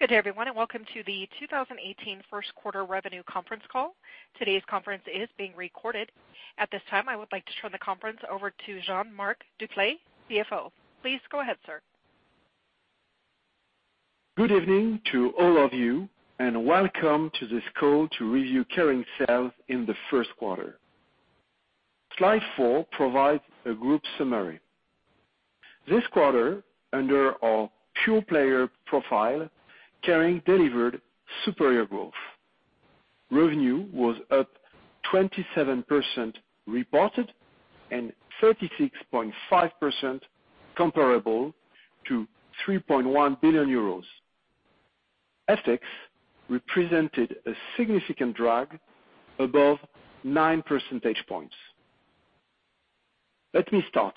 Good day, everyone, welcome to the 2018 first quarter revenue conference call. Today's conference is being recorded. At this time, I would like to turn the conference over to Jean-Marc Duplaix, CFO. Please go ahead, sir. Good evening to all of you, welcome to this call to review Kering sales in the first quarter. Slide four provides a group summary. This quarter, under our pure-player profile, Kering delivered superior growth. Revenue was up 27% reported and 36.5% comparable to EUR 3.1 billion. FX represented a significant drag above nine percentage points. Let me start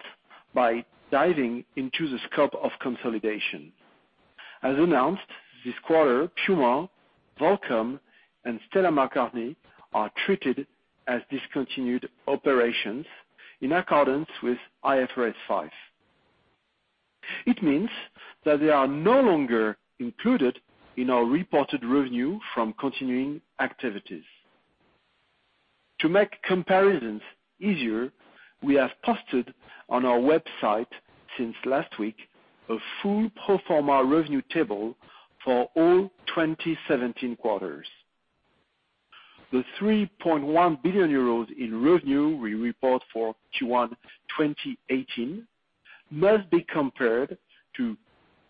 by diving into the scope of consolidation. As announced this quarter, Puma, Volcom, and Stella McCartney are treated as discontinued operations in accordance with IFRS 5. It means that they are no longer included in our reported revenue from continuing activities. To make comparisons easier, we have posted on our website since last week a full pro forma revenue table for all 2017 quarters. The 3.1 billion euros in revenue we report for Q1 2018 must be compared to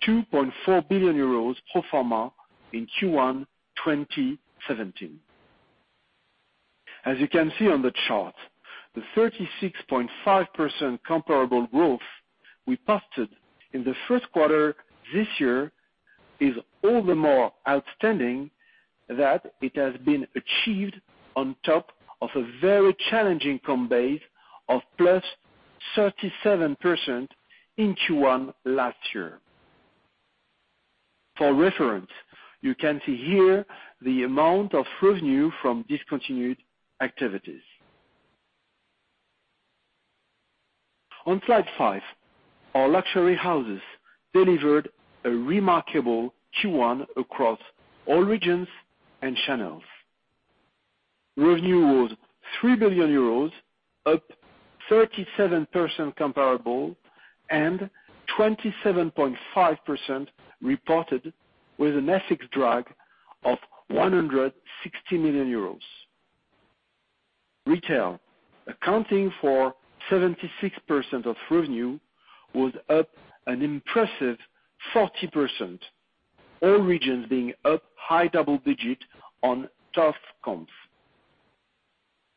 2.4 billion euros pro forma in Q1 2017. You can see on the chart, the 36.5% comparable growth we posted in the first quarter this year is all the more outstanding that it has been achieved on top of a very challenging comp base of plus 37% in Q1 last year. For reference, you can see here the amount of revenue from discontinued activities. On slide five, our luxury houses delivered a remarkable Q1 across all regions and channels. Revenue was 3 billion euros, up 37% comparable and 27.5% reported with an FX drag of EUR 160 million. Retail, accounting for 76% of revenue, was up an impressive 40%, all regions being up high double digit on tough comps.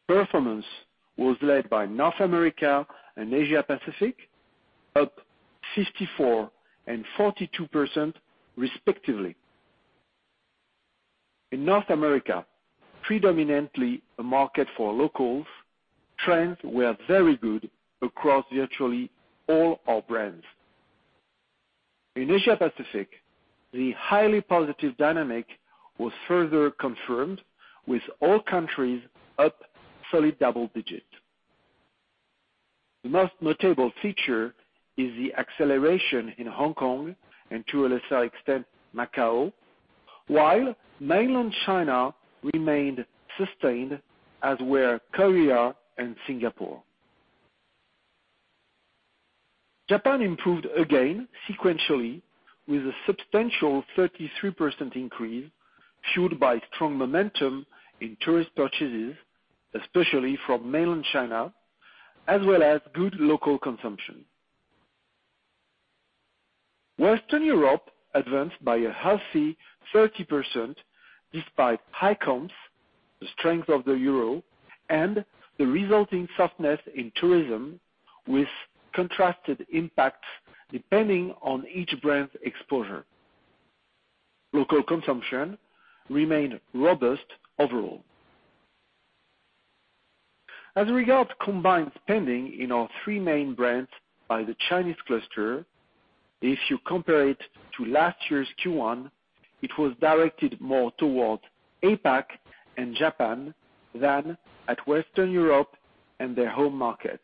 Performance was led by North America and Asia-Pacific, up 54% and 42% respectively. In North America, predominantly a market for locals, trends were very good across virtually all our brands. In Asia-Pacific, the highly positive dynamic was further confirmed, with all countries up solid double digit. The most notable feature is the acceleration in Hong Kong and, to a lesser extent, Macau, while mainland China remained sustained, as were Korea and Singapore. Japan improved again sequentially with a substantial 33% increase, fueled by strong momentum in tourist purchases, especially from mainland China, as well as good local consumption. Western Europe advanced by a healthy 30%, despite high comps, the strength of the euro, and the resulting softness in tourism, with contrasted impacts depending on each brand's exposure. Local consumption remained robust overall. Regard to combined spending in our three main brands by the Chinese cluster, if you compare it to last year's Q1, it was directed more towards APAC and Japan than at Western Europe and their home market.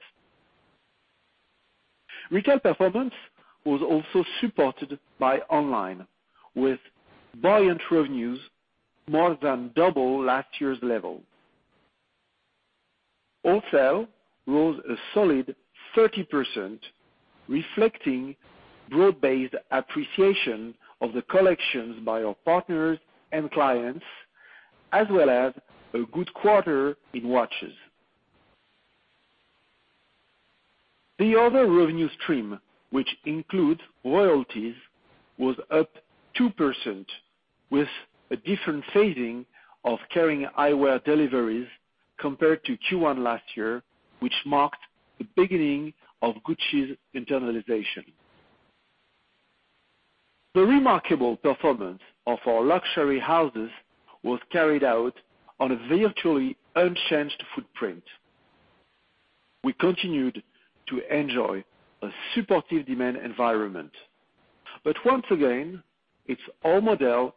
Retail performance was also supported by online, with buoyant revenues more than double last year's level. Wholesales rose a solid 30%, reflecting broad-based appreciation of the collections by our partners and clients, as well as a good quarter in watches. The other revenue stream, which includes royalties, was up 2% with a different phasing of Kering Eyewear deliveries compared to Q1 last year, which marked the beginning of Gucci's internalization. The remarkable performance of our luxury houses was carried out on a virtually unchanged footprint. We continued to enjoy a supportive demand environment. Once again, it's our model and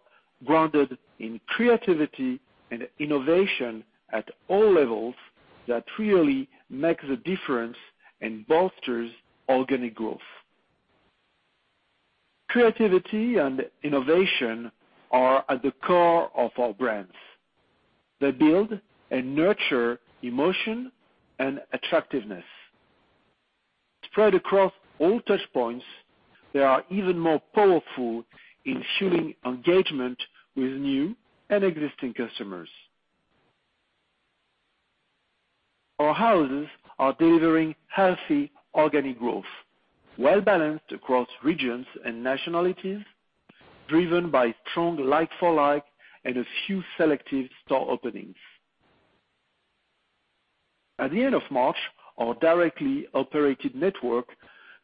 grounded in creativity and innovation at all levels that really make the difference and bolsters organic growth. Creativity and innovation are at the core of our brands. They build and nurture emotion and attractiveness. Spread across all touch points, they are even more powerful in fueling engagement with new and existing customers. Our houses are delivering healthy organic growth, well-balanced across regions and nationalities, driven by strong like-for-like and a few selective store openings. At the end of March, our directly operated network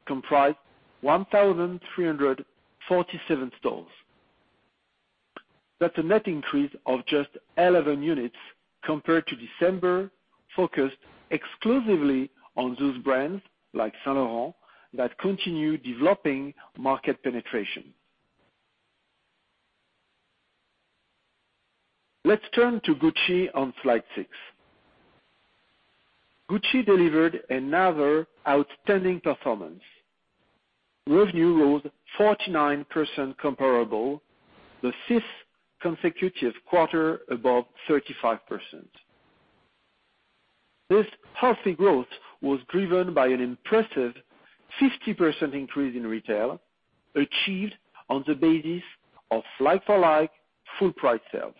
comprised 1,347 stores. That's a net increase of just 11 units compared to December, focused exclusively on those brands like Saint Laurent that continue developing market penetration. Let's turn to Gucci on slide six. Gucci delivered another outstanding performance. Revenue rose 49% comparable, the fifth consecutive quarter above 35%. This healthy growth was driven by an impressive 50% increase in retail, achieved on the basis of like-for-like full price sales.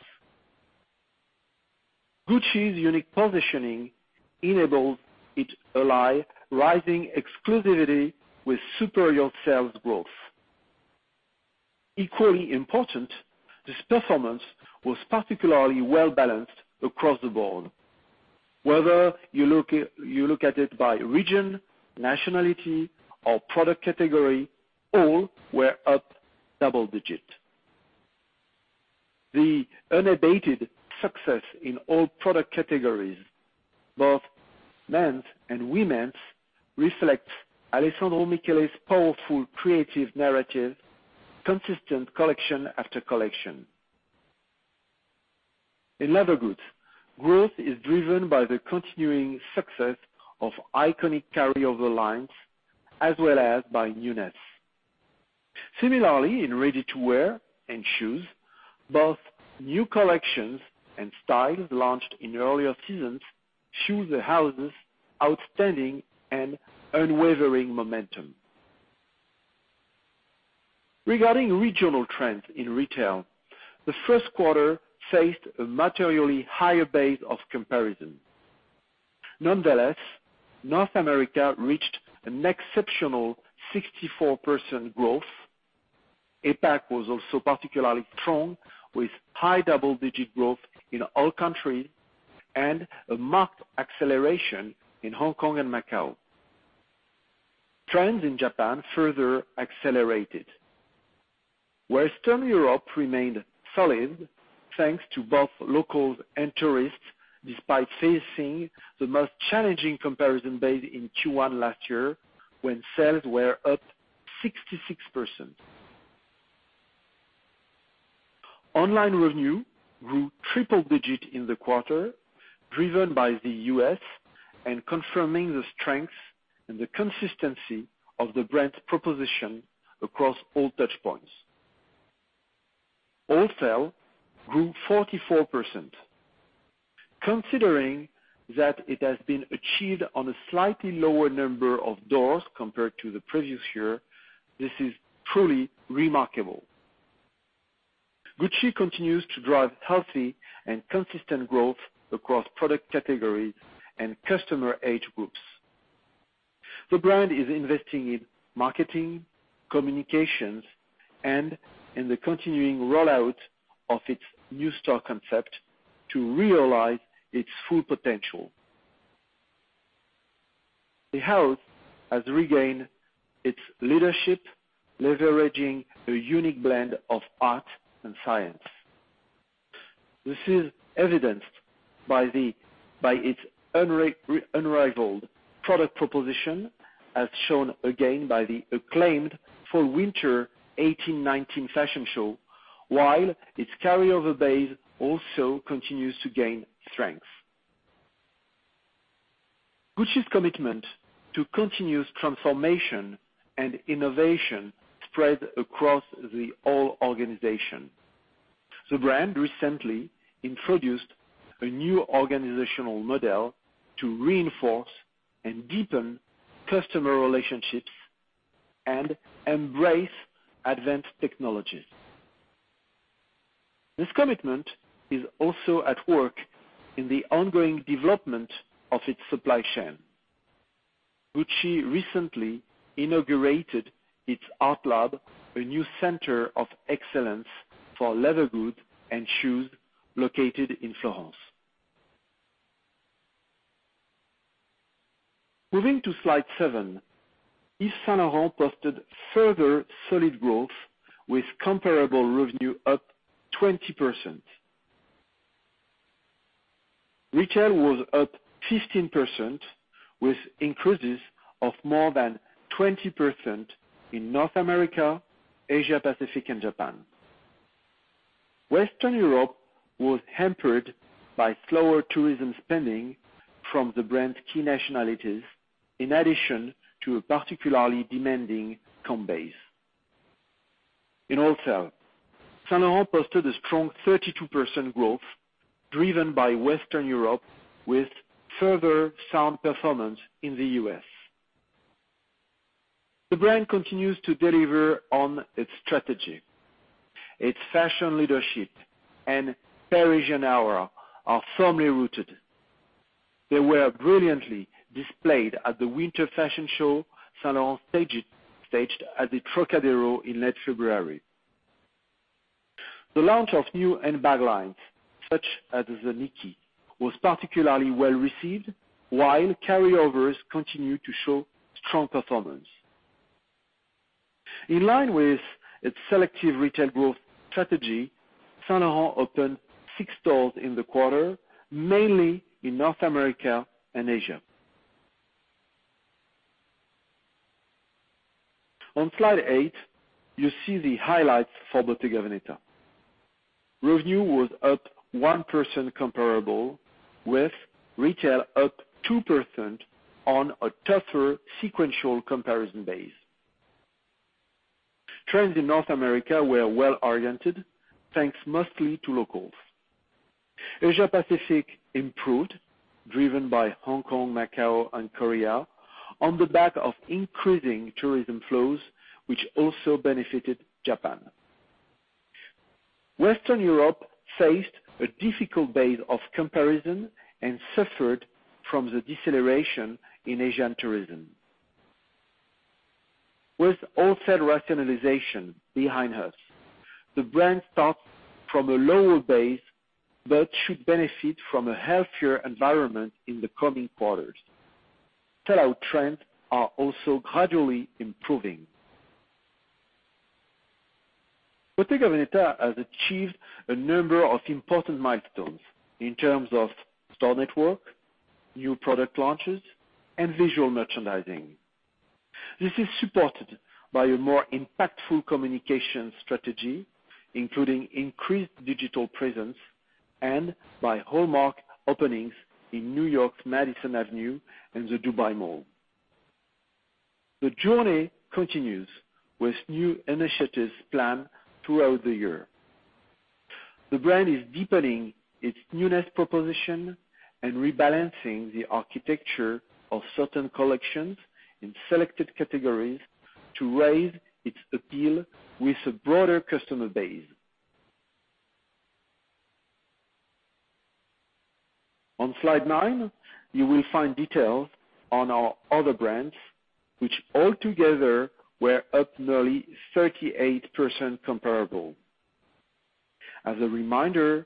Gucci's unique positioning enables it to ally rising exclusivity with superior sales growth. Equally important, this performance was particularly well-balanced across the board. Whether you look at it by region, nationality, or product category, all were up double digit. The unabated success in all product categories, both men's and women's, reflects Alessandro Michele's powerful creative narrative, consistent collection after collection. In leather goods, growth is driven by the continuing success of iconic carryover lines, as well as by newness. Similarly, in ready-to-wear and shoes, both new collections and styles launched in earlier seasons fuel the house's outstanding and unwavering momentum. Regarding regional trends in retail, the first quarter faced a materially higher base of comparison. Nonetheless, North America reached an exceptional 64% growth. APAC was also particularly strong, with high double-digit growth in all countries and a marked acceleration in Hong Kong and Macau. Trends in Japan further accelerated. Western Europe remained solid, thanks to both locals and tourists, despite facing the most challenging comparison base in Q1 last year, when sales were up 66%. Online revenue grew triple digit in the quarter, driven by the U.S., confirming the strength and the consistency of the brand's proposition across all touch points. Wholesales grew 44%. Considering that it has been achieved on a slightly lower number of doors compared to the previous year, this is truly remarkable. Gucci continues to drive healthy and consistent growth across product categories and customer age groups. The brand is investing in marketing, communications, and in the continuing rollout of its new store concept to realize its full potential. The house has regained its leadership, leveraging a unique blend of art and science. This is evidenced by its unrivaled product proposition, as shown again by the acclaimed fall/winter 2018/2019 fashion show, while its carryover base also continues to gain strength. Gucci's commitment to continuous transformation and innovation spread across the whole organization. The brand recently introduced a new organizational model to reinforce and deepen customer relationships and embrace advanced technologies. This commitment is also at work in the ongoing development of its supply chain. Gucci recently inaugurated its ArtLab, a new center of excellence for leather goods and shoes located in Florence. Moving to slide seven. Yves Saint Laurent posted further solid growth with comparable revenue up 20%. Retail was up 15%, with increases of more than 20% in North America, Asia Pacific, and Japan. Western Europe was hampered by slower tourism spending from the brand's key nationalities, in addition to a particularly demanding comp base. In wholesale, Saint Laurent posted a strong 32% growth driven by Western Europe, with further sound performance in the U.S. The brand continues to deliver on its strategy. Its fashion leadership and Parisian aura are firmly rooted. They were brilliantly displayed at the winter fashion show Saint Laurent staged at the Trocadéro in late February. The launch of new handbag lines, such as the Niki, was particularly well-received, while carryovers continue to show strong performance. In line with its selective retail growth strategy, Saint Laurent opened six stores in the quarter, mainly in North America and Asia. On slide eight, you see the highlights for Bottega Veneta. Revenue was up 1% comparable, with retail up 2% on a tougher sequential comparison base. Trends in North America were well-oriented, thanks mostly to locals. Asia Pacific improved, driven by Hong Kong, Macau, and Korea, on the back of increasing tourism flows, which also benefited Japan. Western Europe faced a difficult base of comparison and suffered from the deceleration in Asian tourism. With wholesale rationalization behind us, the brand starts from a lower base but should benefit from a healthier environment in the coming quarters. Sellout trends are also gradually improving. Bottega Veneta has achieved a number of important milestones in terms of store network, new product launches, and visual merchandising. This is supported by a more impactful communication strategy, including increased digital presence and by hallmark openings in New York's Madison Avenue and the Dubai Mall. The journey continues with new initiatives planned throughout the year. The brand is deepening its newness proposition and rebalancing the architecture of certain collections in selected categories to raise its appeal with a broader customer base. On slide nine, you will find details on our other brands, which altogether were up nearly 38% comparable. As a reminder,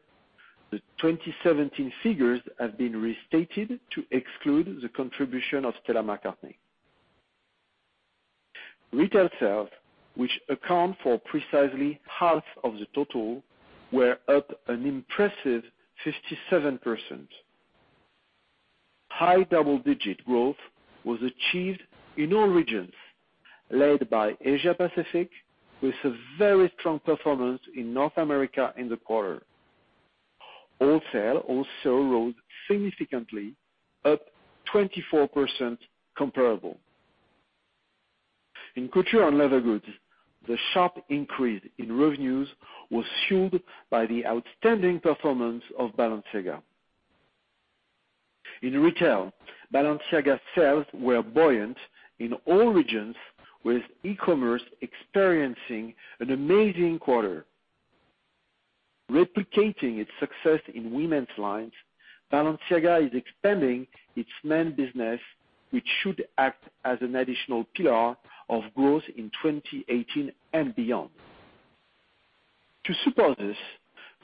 the 2017 figures have been restated to exclude the contribution of Stella McCartney. Retail sales, which account for precisely half of the total, were up an impressive 57%. High double-digit growth was achieved in all regions, led by Asia Pacific, with a very strong performance in North America in the quarter. Wholesale also rose significantly, up 24% comparable. In couture and leather goods, the sharp increase in revenues was fueled by the outstanding performance of Balenciaga. In retail, Balenciaga sales were buoyant in all regions, with e-commerce experiencing an amazing quarter. Replicating its success in women's lines, Balenciaga is expanding its men business, which should act as an additional pillar of growth in 2018 and beyond. To support this,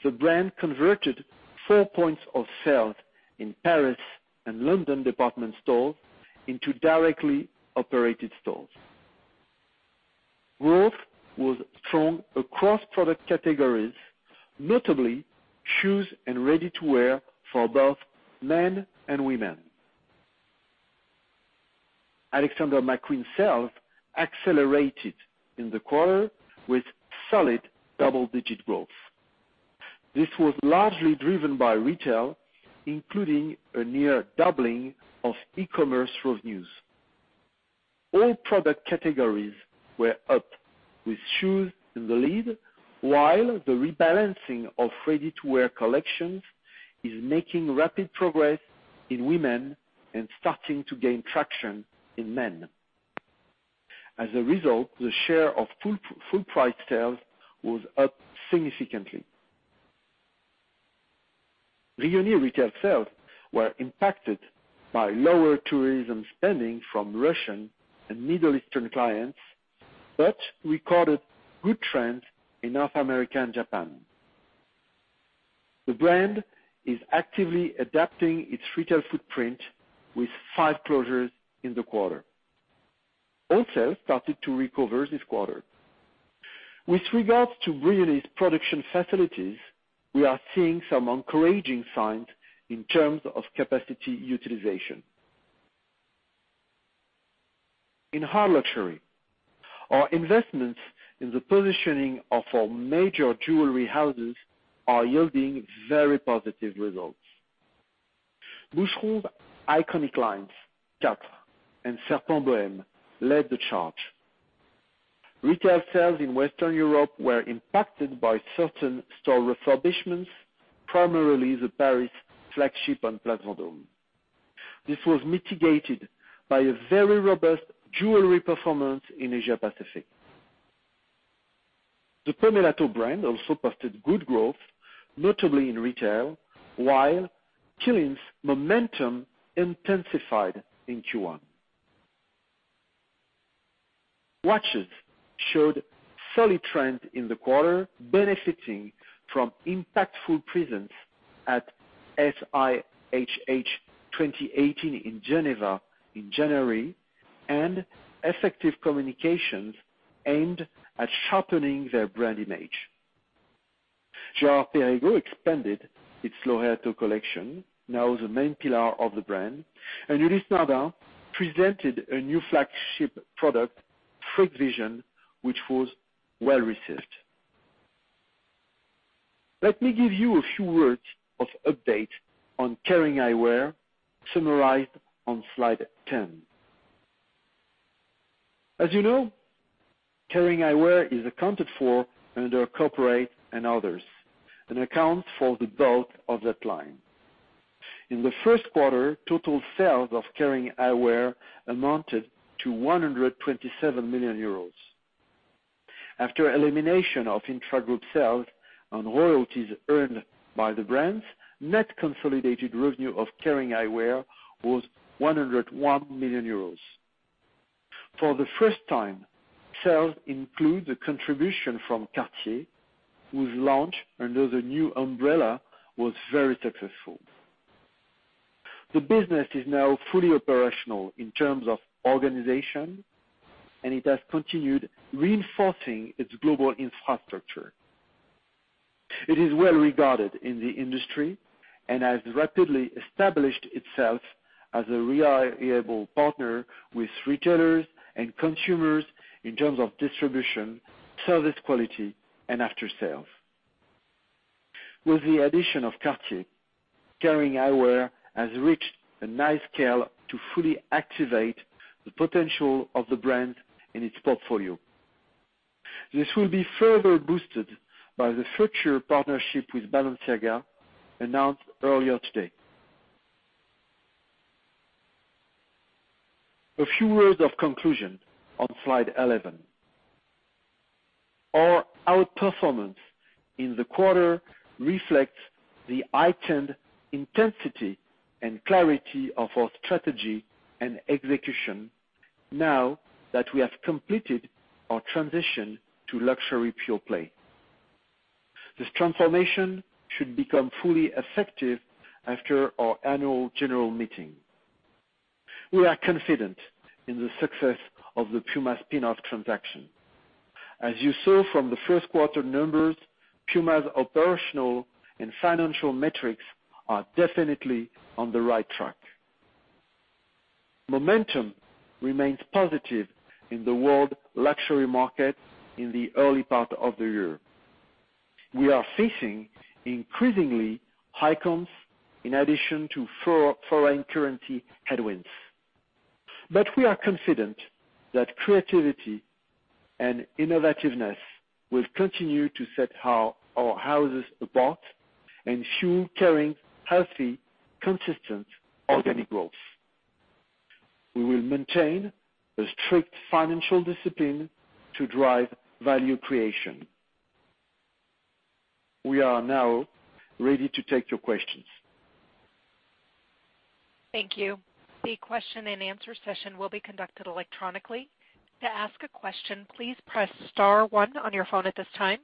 the brand converted four points of sale in Paris and London department stores into directly operated stores. Growth was strong across product categories, notably shoes and ready-to-wear for both men and women. Alexander McQueen sales accelerated in the quarter with solid double-digit growth. This was largely driven by retail, including a near doubling of e-commerce revenues. All product categories were up, with shoes in the lead, while the rebalancing of ready-to-wear collections is making rapid progress in women and starting to gain traction in men. As a result, the share of full-price sales was up significantly. Brioni retail sales were impacted by lower tourism spending from Russian and Middle Eastern clients, but recorded good trends in North America and Japan. The brand is actively adapting its retail footprint with five closures in the quarter. Also started to recover this quarter. With regards to Brioni's production facilities, we are seeing some encouraging signs in terms of capacity utilization. In hard luxury, our investments in the positioning of our major jewelry houses are yielding very positive results. Boucheron's iconic lines, Quatre and Serpent Bohème led the charge. Retail sales in Western Europe were impacted by certain store refurbishments, primarily the Paris flagship on Place Vendôme. This was mitigated by a very robust jewelry performance in Asia Pacific. The Pomellato brand also posted good growth, notably in retail, while Qeelin's momentum intensified in Q1. Watches showed solid trend in the quarter, benefiting from impactful presence at SIHH 2018 in Geneva in January, and effective communications aimed at sharpening their brand image. Girard-Perregaux expanded its Laureato collection, now the main pillar of the brand, and Ulysse Nardin presented a new flagship product, Freak Vision, which was well-received. Let me give you a few words of update on Kering Eyewear summarized on slide 10. As you know, Kering Eyewear is accounted for under corporate and others and accounts for the bulk of that line. In the first quarter, total sales of Kering Eyewear amounted to 127 million euros. After elimination of intragroup sales on royalties earned by the brands, net consolidated revenue of Kering Eyewear was 101 million euros. For the first time, sales include the contribution from Cartier, whose launch under the new umbrella was very successful. The business is now fully operational in terms of organization, and it has continued reinforcing its global infrastructure. It is well regarded in the industry and has rapidly established itself as a reliable partner with retailers and consumers in terms of distribution, service quality, and after-sales. With the addition of Cartier, Kering Eyewear has reached a nice scale to fully activate the potential of the brands in its portfolio. This will be further boosted by the future partnership with Balenciaga announced earlier today. A few words of conclusion on slide 11. Our outperformance in the quarter reflects the heightened intensity and clarity of our strategy and execution now that we have completed our transition to luxury pure-play. This transformation should become fully effective after our annual general meeting. We are confident in the success of the Puma spin-off transaction. As you saw from the first quarter numbers, Puma's operational and financial metrics are definitely on the right track. Momentum remains positive in the world luxury market in the early part of the year. We are facing increasingly high comps in addition to foreign currency headwinds. We are confident that creativity and innovativeness will continue to set our houses apart and fuel Kering healthy, consistent organic growth. We will maintain a strict financial discipline to drive value creation. We are now ready to take your questions. Thank you. The question and answer session will be conducted electronically. To ask a question, please press star one on your phone at this time.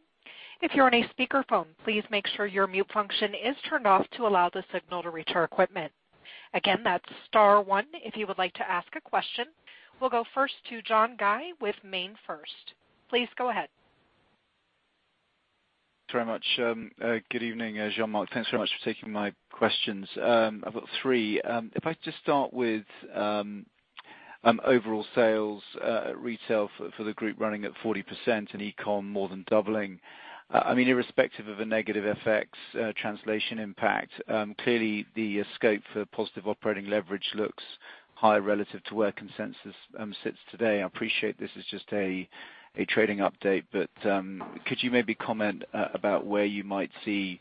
If you're on a speaker phone, please make sure your mute function is turned off to allow the signal to reach our equipment. Again, that's star one if you would like to ask a question. We'll go first to John Guy with MainFirst. Please go ahead. Thanks very much. Good evening, Jean-Marc. Thanks very much for taking my questions. I've got three. If I just start with overall sales retail for the group running at 40% and e-com more than doubling. Irrespective of a negative FX translation impact, clearly the scope for positive operating leverage looks high relative to where consensus sits today. I appreciate this is just a trading update, but could you maybe comment about where you might see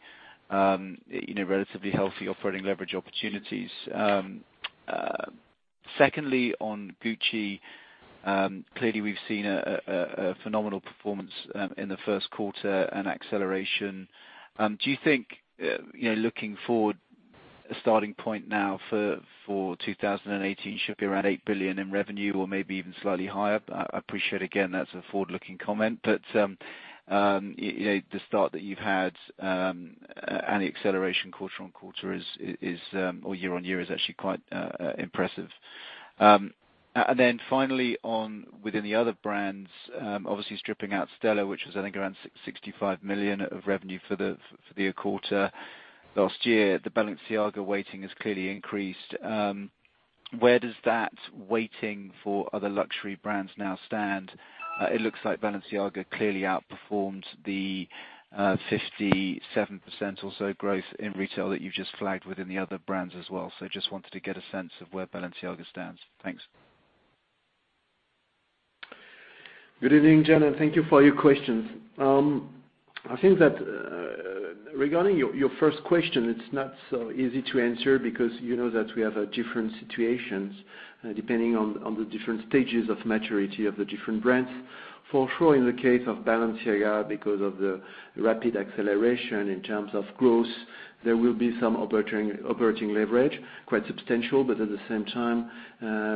relatively healthy operating leverage opportunities? Secondly, on Gucci, clearly we've seen a phenomenal performance in the first quarter and acceleration. Do you think, looking forward, a starting point now for 2018 should be around 8 billion in revenue or maybe even slightly higher? I appreciate again, that's a forward-looking comment, but the start that you've had and the acceleration quarter-on-quarter or year-on-year is actually quite impressive. Finally, within the other brands, obviously stripping out Stella, which was, I think, around 65 million of revenue for the quarter last year. The Balenciaga weighting has clearly increased. Where does that weighting for other luxury brands now stand? It looks like Balenciaga clearly outperformed the 57% or so growth in retail that you've just flagged within the other brands as well. Just wanted to get a sense of where Balenciaga stands. Thanks. Good evening, John, and thank you for your questions. I think that regarding your first question, it's not so easy to answer because you know that we have different situations, depending on the different stages of maturity of the different brands. For sure, in the case of Balenciaga, because of the rapid acceleration in terms of growth, there will be some operating leverage, quite substantial, but at the same time,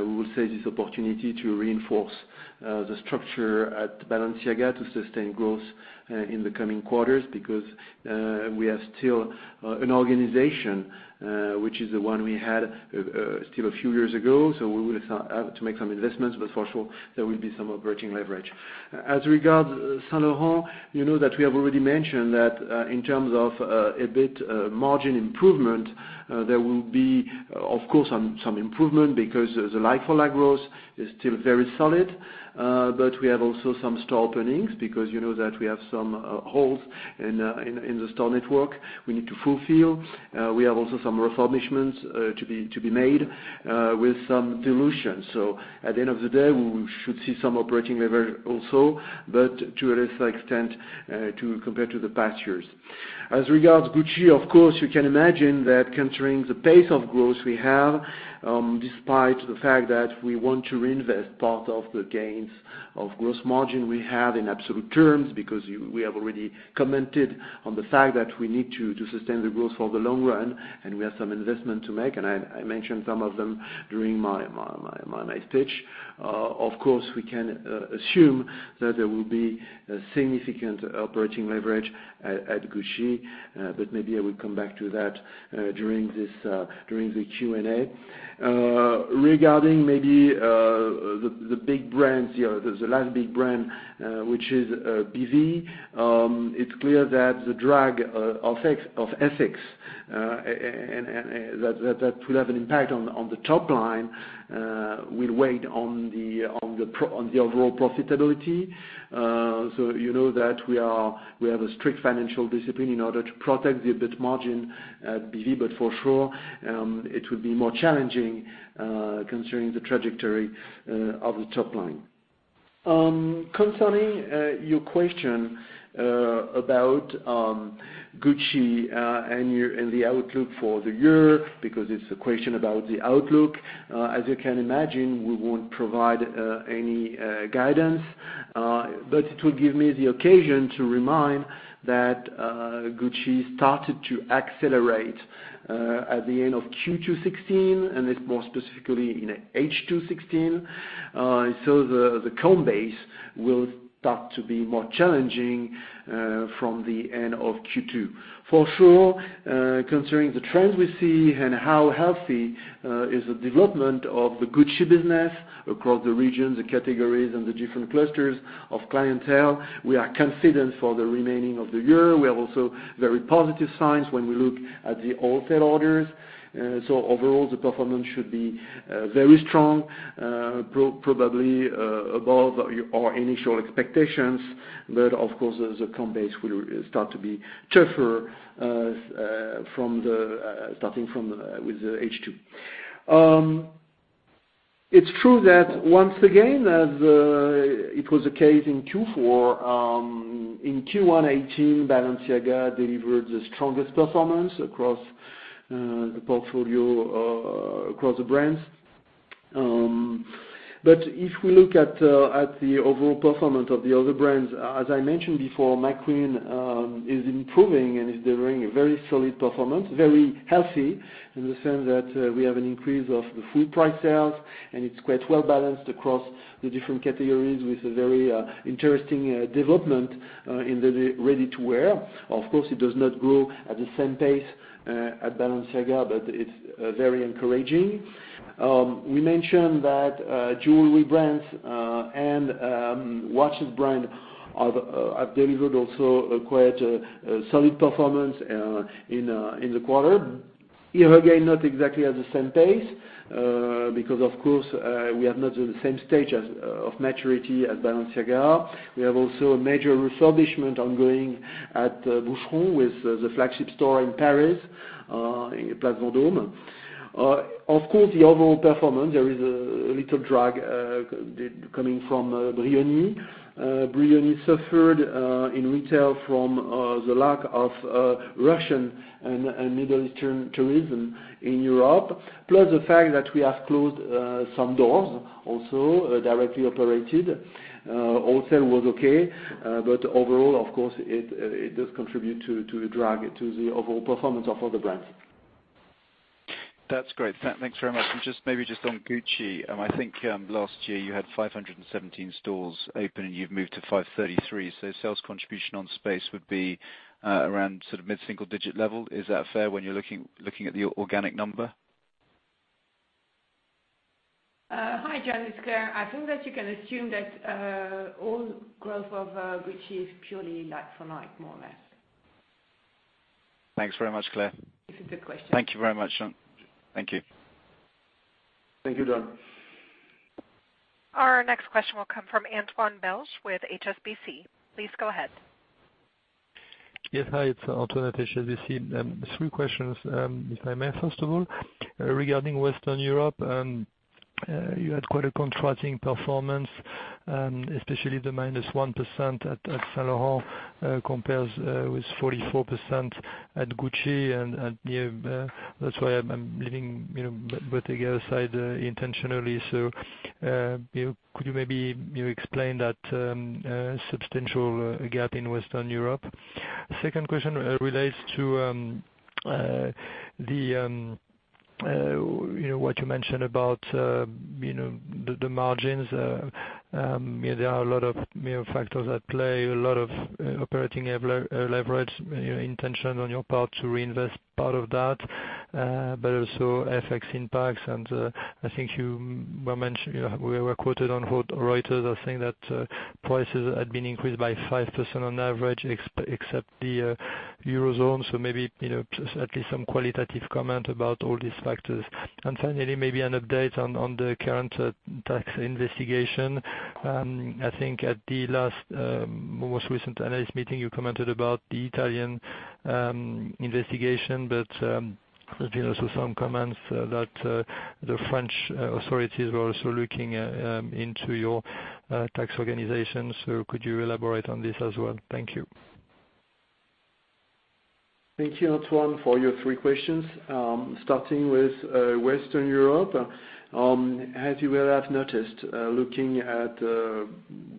we will take this opportunity to reinforce the structure at Balenciaga to sustain growth in the coming quarters, because we are still an organization, which is the one we had still a few years ago, so we will have to make some investments, but for sure, there will be some operating leverage. As regard Saint Laurent, you know that we have already mentioned that in terms of EBIT margin improvement, there will be of course, some improvement because the like-for-like growth is still very solid. We have also some store openings because you know that we have some holes in the store network we need to fulfill. We have also some refurbishments to be made, with some dilution. At the end of the day, we should see some operating leverage also, but to a lesser extent compared to the past years. As regards Gucci, of course, you can imagine that considering the pace of growth we have, despite the fact that we want to reinvest part of the gains of gross margin we have in absolute terms, because we have already commented on the fact that we need to sustain the growth for the long run, and we have some investment to make, and I mentioned some of them during my speech. Of course, we can assume that there will be significant operating leverage at Gucci, but maybe I will come back to that during the Q&A. Regarding maybe the last big brand, which is BV, it's clear that the drag of FX, that will have an impact on the top line, will weigh on the overall profitability. You know that we have a strict financial discipline in order to protect the EBIT margin at BV, but for sure, it will be more challenging, considering the trajectory of the top line. Concerning your question about Gucci and the outlook for the year, because it's a question about the outlook. As you can imagine, we won't provide any guidance, but it will give me the occasion to remind that Gucci started to accelerate at the end of Q2 2016, and more specifically, in H2 2016. The comp base will start to be more challenging from the end of Q2. For sure, concerning the trends we see and how healthy is the development of the Gucci business across the region, the categories, and the different clusters of clientele, we are confident for the remaining of the year. We are also very positive signs when we look at the wholesale orders. Overall, the performance should be very strong, probably above our initial expectations. Of course, the comp base will start to be tougher starting with H2. It's true that once again, as it was the case in Q4, in Q1 2018, Balenciaga delivered the strongest performance across the portfolio, across the brands. If we look at the overall performance of the other brands, as I mentioned before, McQueen is improving and is delivering a very solid performance, very healthy in the sense that we have an increase of the full price sales, and it's quite well-balanced across the different categories with a very interesting development in the ready-to-wear. It does not grow at the same pace as Balenciaga, but it's very encouraging. We mentioned that jewelry brands and watches brand have delivered also a quite solid performance in the quarter. Here again, not exactly at the same pace, because we are not at the same stage of maturity as Balenciaga. We have also a major refurbishment ongoing at Boucheron with the flagship store in Paris, in Place Vendôme. The overall performance, there is a little drag coming from Brioni. Brioni suffered in retail from the lack of Russian and Middle Eastern tourism in Europe. The fact that we have closed some doors also, directly operated. Wholesale was okay, overall, it does contribute to the drag to the overall performance of other brands. That's great. Thanks very much. Maybe just on Gucci. I think last year you had 517 stores open, and you've moved to 533. Sales contribution on space would be around mid-single-digit level. Is that fair when you're looking at the organic number? Hi, John, it's Claire. I think that you can assume that all growth of Gucci is purely like-for-like, more or less. Thanks very much, Claire. It's a good question. Thank you very much. Thank you. Thank you, John. Our next question will come from Antoine Belge with HSBC. Please go ahead. Yes. Hi, it's Antoine at HSBC. Three questions, if I may. First of all, regarding Western Europe, you had quite a contrasting performance, especially the -1% at Saint Laurent compares with 44% at Gucci. That's why I'm leaving Bottega side intentionally, could you maybe explain that substantial gap in Western Europe? Second question relates to what you mentioned about the margins. There are a lot of factors at play, a lot of operating leverage, intention on your part to reinvest part of that, also FX impacts and I think you were quoted on Reuters as saying that prices had been increased by 5% on average, except the Eurozone. Maybe at least some qualitative comment about all these factors. Finally, maybe an update on the current tax investigation. I think at the most recent analyst meeting you commented about the Italian investigation, there's been also some comments that the French authorities were also looking into your tax organization, could you elaborate on this as well? Thank you. Thank you, Antoine, for your three questions. Starting with Western Europe, as you will have noticed, looking at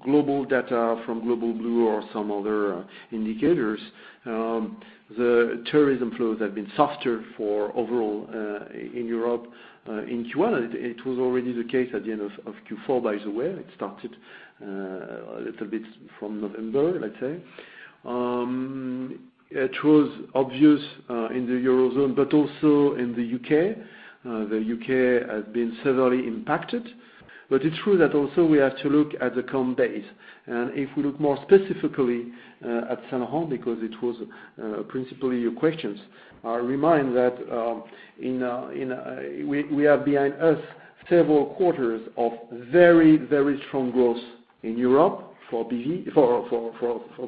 global data from Global Blue or some other indicators, the tourism flows have been softer for overall in Europe in Q1. It was already the case at the end of Q4, by the way. It started a little bit from November, let's say. It was obvious in the Eurozone, also in the U.K. The U.K. has been severely impacted, it's true that also we have to look at the comp base. If we look more specifically at Saint Laurent, because it was principally your questions, I remind that we have behind us several quarters of very strong growth in Europe for Saint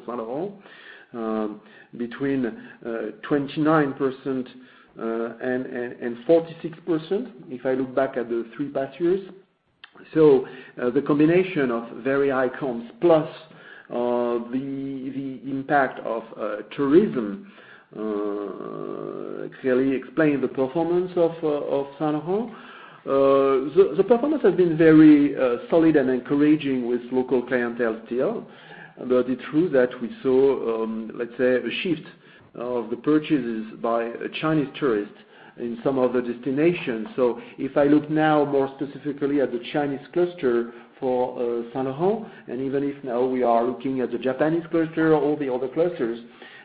Laurent. Between 29% and 46%, if I look back at the three past years. The combination of very high comps plus the impact of tourism clearly explain the performance of Saint Laurent. The performance has been very solid and encouraging with local clientele still, but it's true that we saw, let's say, a shift of the purchases by Chinese tourists in some of the destinations. If I look now more specifically at the Chinese cluster for Saint Laurent, and even if now we are looking at the Japanese cluster or the other clusters,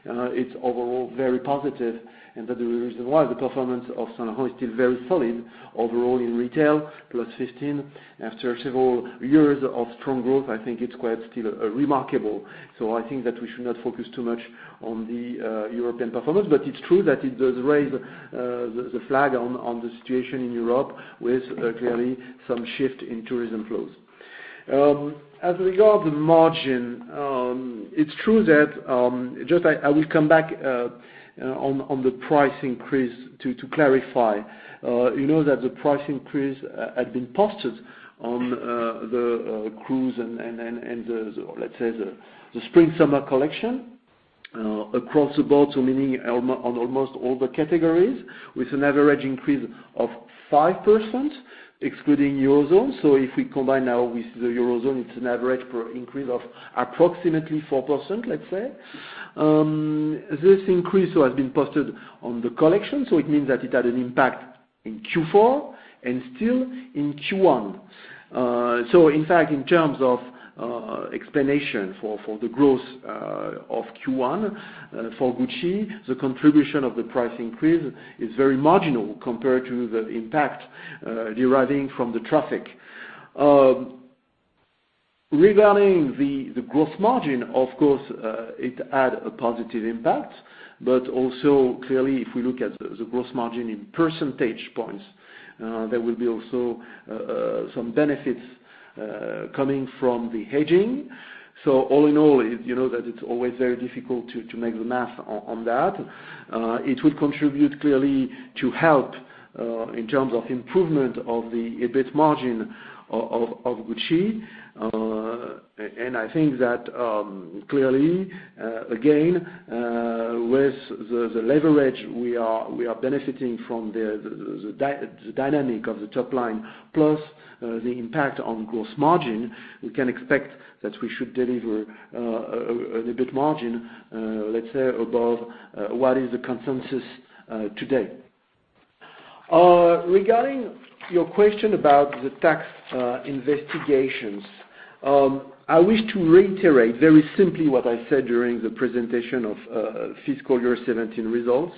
it's overall very positive, and that is the reason why the performance of Saint Laurent is still very solid overall in retail, +15%, after several years of strong growth, I think it's quite still remarkable. I think that we should not focus too much on the European performance. It's true that it does raise the flag on the situation in Europe with clearly some shift in tourism flows. As regard the margin, it's true that I will come back on the price increase to clarify. You know that the price increase had been posted on the cruise and, let's say, the spring-summer collection across the board, meaning on almost all the categories, with an average increase of 5%, excluding Eurozone. If we combine now with the Eurozone, it's an average increase of approximately 4%, let's say. This increase has been posted on the collection, it means that it had an impact in Q4 and still in Q1. In fact, in terms of explanation for the growth of Q1 for Gucci, the contribution of the price increase is very marginal compared to the impact deriving from the traffic. Regarding the gross margin, of course, it had a positive impact, but also, clearly, if we look at the gross margin in percentage points, there will be also some benefits coming from the hedging. All in all, you know that it's always very difficult to make the math on that. It will contribute clearly to help in terms of improvement of the EBIT margin of Gucci. I think that clearly, again, with the leverage we are benefiting from the dynamic of the top line, plus the impact on gross margin, we can expect that we should deliver EBIT margin, let's say, above what is the consensus today. Regarding your question about the tax investigations I wish to reiterate very simply what I said during the presentation of fiscal year 2017 results.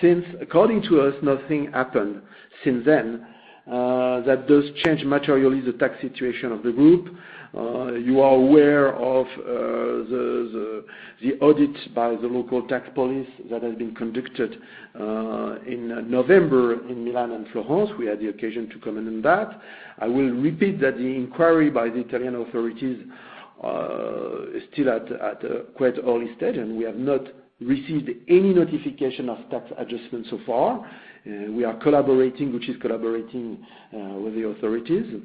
Since, according to us, nothing happened since then that does change materially the tax situation of the group. You are aware of the audit by the local tax police that has been conducted in November in Milan and Florence. We had the occasion to comment on that. I will repeat that the inquiry by the Italian authorities is still at a quite early stage, and we have not received any notification of tax adjustment so far. We are collaborating with the authorities.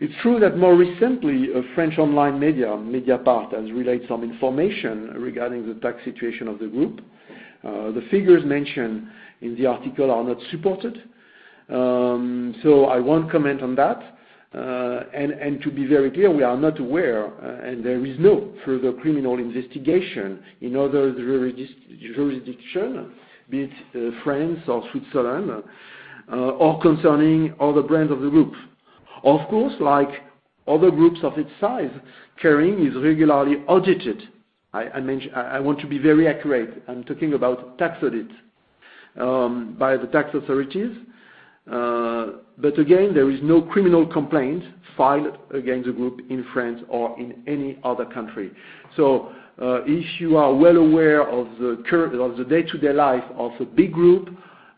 It's true that more recently, a French online media, Mediapart, has relayed some information regarding the tax situation of the group. The figures mentioned in the article are not supported. I won't comment on that. To be very clear, we are not aware, and there is no further criminal investigation in other jurisdiction, be it France or Switzerland, or concerning other brands of the group. Of course, like other groups of its size, Kering is regularly audited. I want to be very accurate. I am talking about tax audits by the tax authorities. But again, there is no criminal complaint filed against the group in France or in any other country. If you are well aware of the day-to-day life of a big group,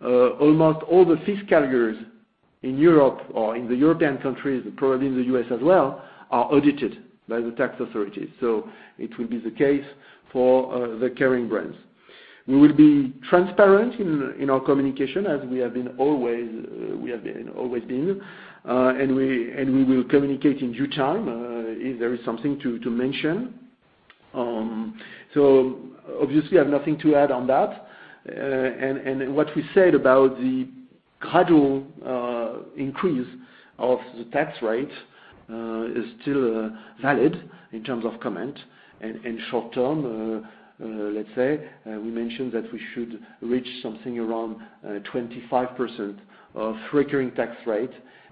almost all the fiscal years in Europe or in the European countries, probably in the U.S. as well, are audited by the tax authorities. It will be the case for the Kering brands. We will be transparent in our communication as we have always been. And we will communicate in due time, if there is something to mention. Obviously, I have nothing to add on that. What we said about the gradual increase of the tax rate, is still valid in terms of comment and short-term, let's say, we mentioned that we should reach something around 25% of recurring tax rate,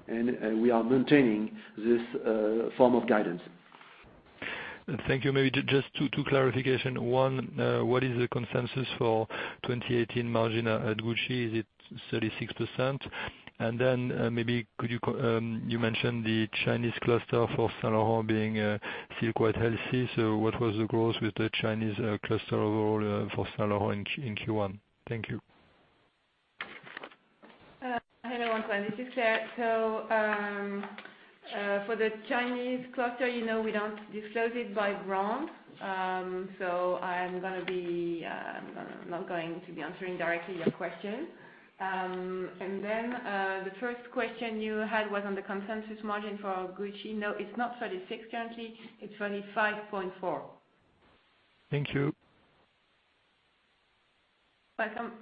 and we are maintaining this form of guidance. Thank you. Maybe just two clarification. One, what is the consensus for 2018 margin at Gucci? Is it 36%? Then, maybe you mentioned the Chinese cluster for Saint Laurent being still quite healthy. What was the growth with the Chinese cluster overall for Saint Laurent in Q1? Thank you. Hello, Antoine. This is Claire. For the Chinese cluster, we don't disclose it by brand. I am not going to be answering directly your question. Then, the first question you had was on the consensus margin for Gucci. No, it's not 36% currently, it's 35.4%. Thank you. Welcome.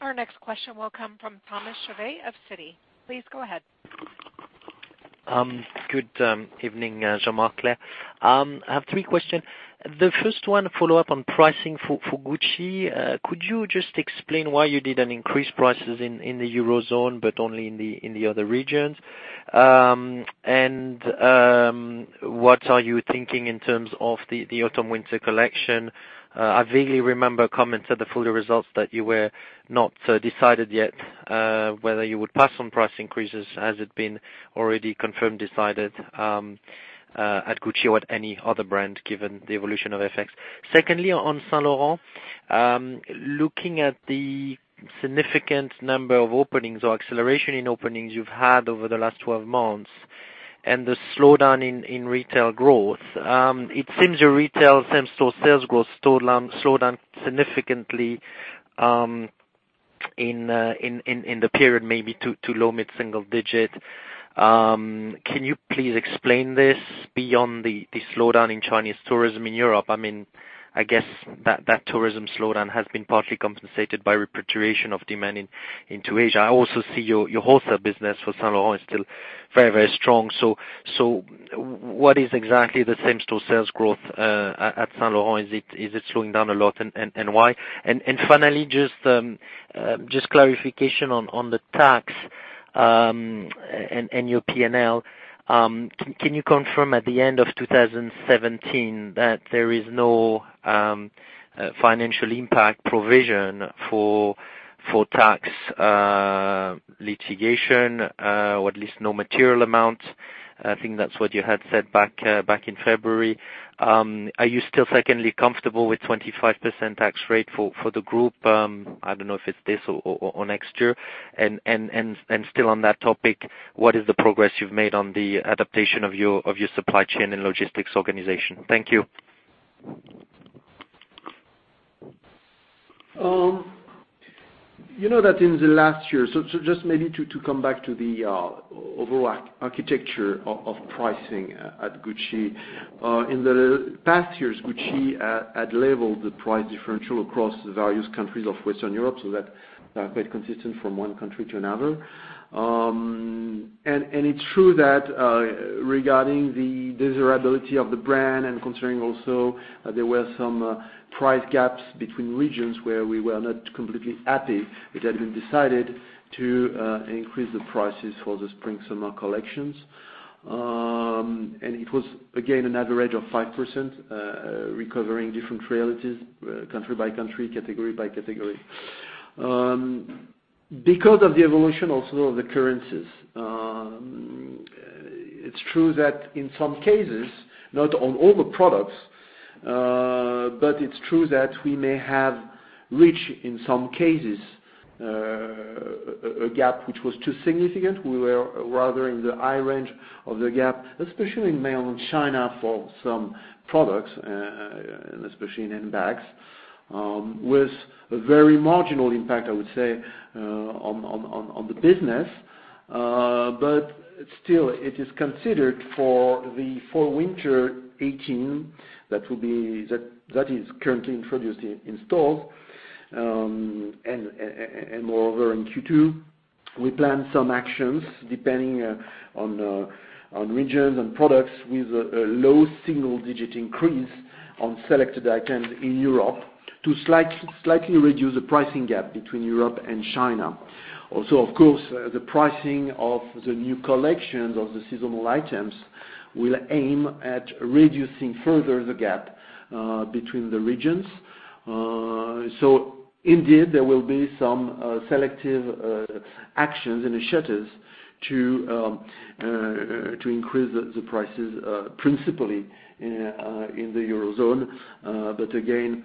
Our next question will come from Thomas Chauvet of Citi. Please go ahead. Good evening, Jean-Marc, Claire. I have three questions. The first one, follow up on pricing for Gucci. Could you just explain why you didn't increase prices in the Eurozone, but only in the other regions? What are you thinking in terms of the autumn-winter collection? I vaguely remember comments at the full-year results that you were not decided yet whether you would pass on price increases. Has it been already confirmed, decided, at Gucci or at any other brand given the evolution of FX? On Saint Laurent. Looking at the significant number of openings or acceleration in openings you've had over the last 12 months, and the slowdown in retail growth, it seems your retail same-store sales growth slowed down significantly in the period, maybe to low-mid single digit. Can you please explain this beyond the slowdown in Chinese tourism in Europe? I guess that tourism slowdown has been partly compensated by repatriation of demand into Asia. I also see your wholesale business for Saint Laurent is still very strong. What is exactly the same-store sales growth at Saint Laurent? Is it slowing down a lot, and why? Finally, just clarification on the tax, and your P&L. Can you confirm at the end of 2017 that there is no financial impact provision for tax litigation, or at least no material amount? I think that's what you had said back in February. Are you still, secondly, comfortable with 25% tax rate for the group? I don't know if it's this or next year. Still on that topic, what is the progress you've made on the adaptation of your supply chain and logistics organization? Thank you. You know that in the last year, to come back to the overall architecture of pricing at Gucci. In the past years, Gucci had leveled the price differential across the various countries of Western Europe so that they are quite consistent from one country to another. It's true that, regarding the desirability of the brand and considering also there were some price gaps between regions where we were not completely happy, it had been decided to increase the prices for the spring, summer collections. It was again an average of 5%, recovering different realities country by country, category by category. Because of the evolution also of the currencies, it's true that in some cases, not on all the products, but it's true that we may have reached, in some cases, a gap which was too significant. We were rather in the high range of the gap, especially in mainland China for some products, and especially in bags. With a very marginal impact, I would say, on the business. Still, it is considered for the fall-winter 2018, that is currently introduced in stores, and moreover, in Q2, we plan some actions depending on regions and products with a low single-digit increase on selected items in Europe to slightly reduce the pricing gap between Europe and China. Of course, the pricing of the new collections of the seasonal items will aim at reducing further the gap between the regions. Indeed, there will be some selective actions and initiatives to increase the prices principally in the Eurozone. Again,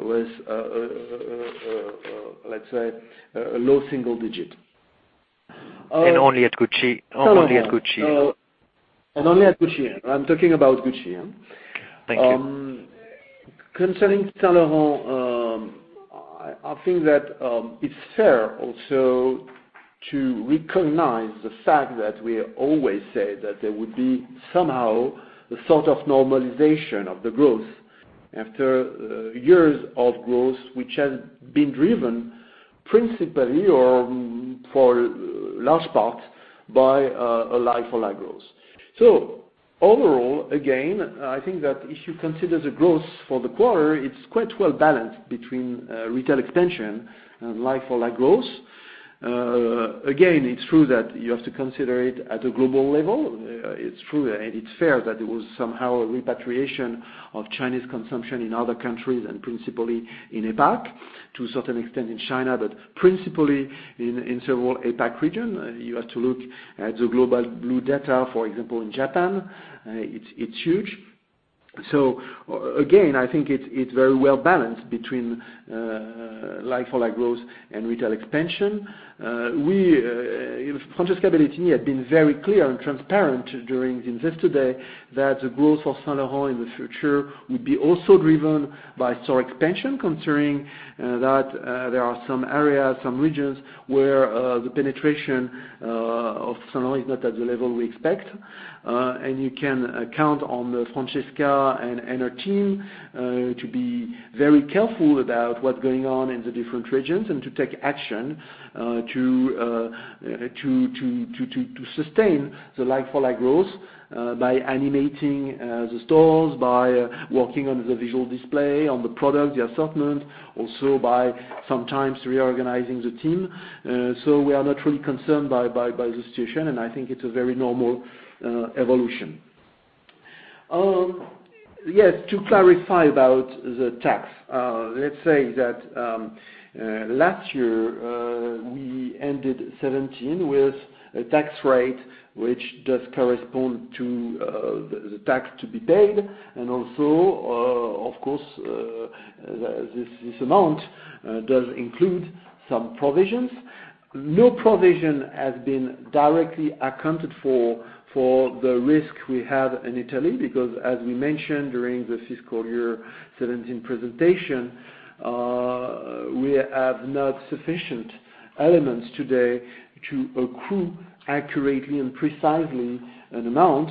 with, let's say, a low single digit. Only at Gucci. Saint Laurent. Only at Gucci. I'm talking about Gucci. Thank you. Concerning Saint Laurent, I think that it's fair also to recognize the fact that we always say that there would be somehow a sort of normalization of the growth after years of growth, which has been driven principally or for large parts by a like-for-like growth. Overall, again, I think that if you consider the growth for the quarter, it's quite well-balanced between retail extension and like-for-like growth. Again, it's true that you have to consider it at a global level. It's true and it's fair that it was somehow a repatriation of Chinese consumption in other countries and principally in APAC, to a certain extent in China. Principally in several APAC region, you have to look at the Global Blue data, for example, in Japan, it's huge. Again, I think it's very well-balanced between like-for-like growth and retail expansion. Francesca Bellettini had been very clear and transparent during the Investor Day that the growth of Saint Laurent in the future would be also driven by store expansion, considering that there are some areas, some regions where the penetration of Saint Laurent is not at the level we expect. You can count on Francesca and her team to be very careful about what's going on in the different regions and to take action to sustain the like-for-like growth by animating the stores, by working on the visual display, on the product, the assortment, also by sometimes reorganizing the team. We are not really concerned by the situation, and I think it's a very normal evolution. Yes, to clarify about the tax. Let's say that last year, we ended 2017 with a tax rate, which does correspond to the tax to be paid. Also, of course, this amount does include some provisions. No provision has been directly accounted for the risk we have in Italy, because as we mentioned during the fiscal year 2017 presentation, we have not sufficient elements today to accrue accurately and precisely an amount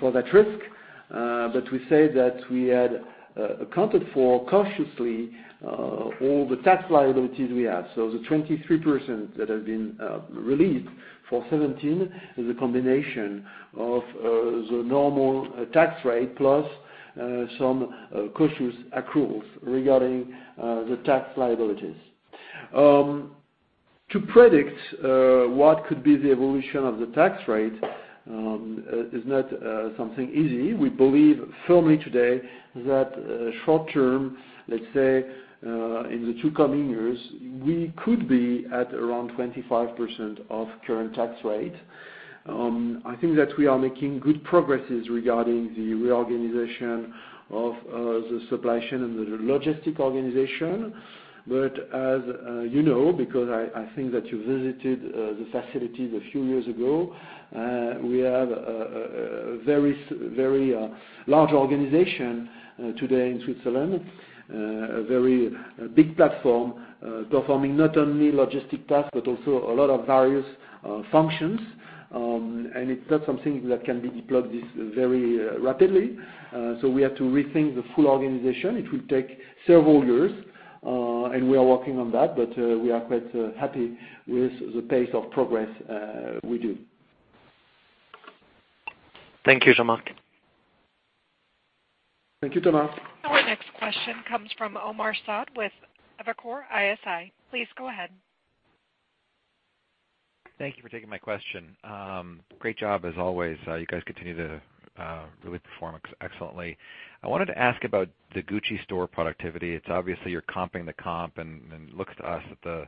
for that risk. We say that we had accounted for cautiously all the tax liabilities we have. The 23% that has been relieved for 2017 is a combination of the normal tax rate plus some cautious accruals regarding the tax liabilities. To predict what could be the evolution of the tax rate is not something easy. We believe firmly today that short-term, let's say, in the two coming years, we could be at around 25% of current tax rate. I think that we are making good progresses regarding the reorganization of the supply chain and the logistic organization. As you know, because I think that you visited the facilities a few years ago, we have a very large organization today in Switzerland. A very big platform performing not only logistic tasks, but also a lot of various functions. It is not something that can be deployed very rapidly. We have to rethink the full organization. It will take several years, and we are working on that, but we are quite happy with the pace of progress we do. Thank you, Jean-Marc. Thank you, Thomas. Our next question comes from Omar Saad with Evercore ISI. Please go ahead. Thank you for taking my question. Great job as always. You guys continue to really perform excellently. I wanted to ask about the Gucci store productivity. It's obviously you're comping the comp, and it looks to us that the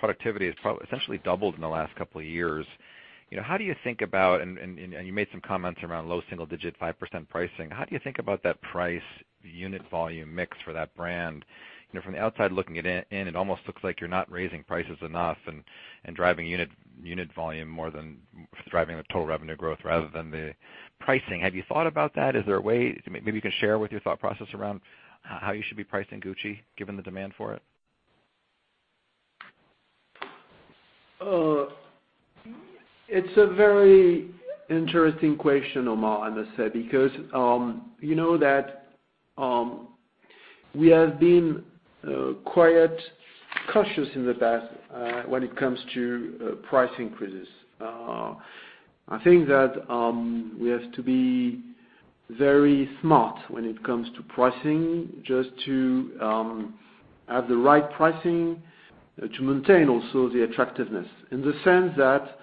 productivity has essentially doubled in the last couple of years. How do you think about, and you made some comments around low single-digit 5% pricing, how do you think about that price unit volume mix for that brand? From the outside looking in, it almost looks like you're not raising prices enough and driving unit volume more than driving the total revenue growth rather than the pricing. Have you thought about that? Is there a way, maybe you can share with your thought process around how you should be pricing Gucci given the demand for it? It's a very interesting question, Omar, I must say, because you know that we have been quite cautious in the past when it comes to price increases. I think that we have to be very smart when it comes to pricing, just to have the right pricing to maintain also the attractiveness. In the sense that,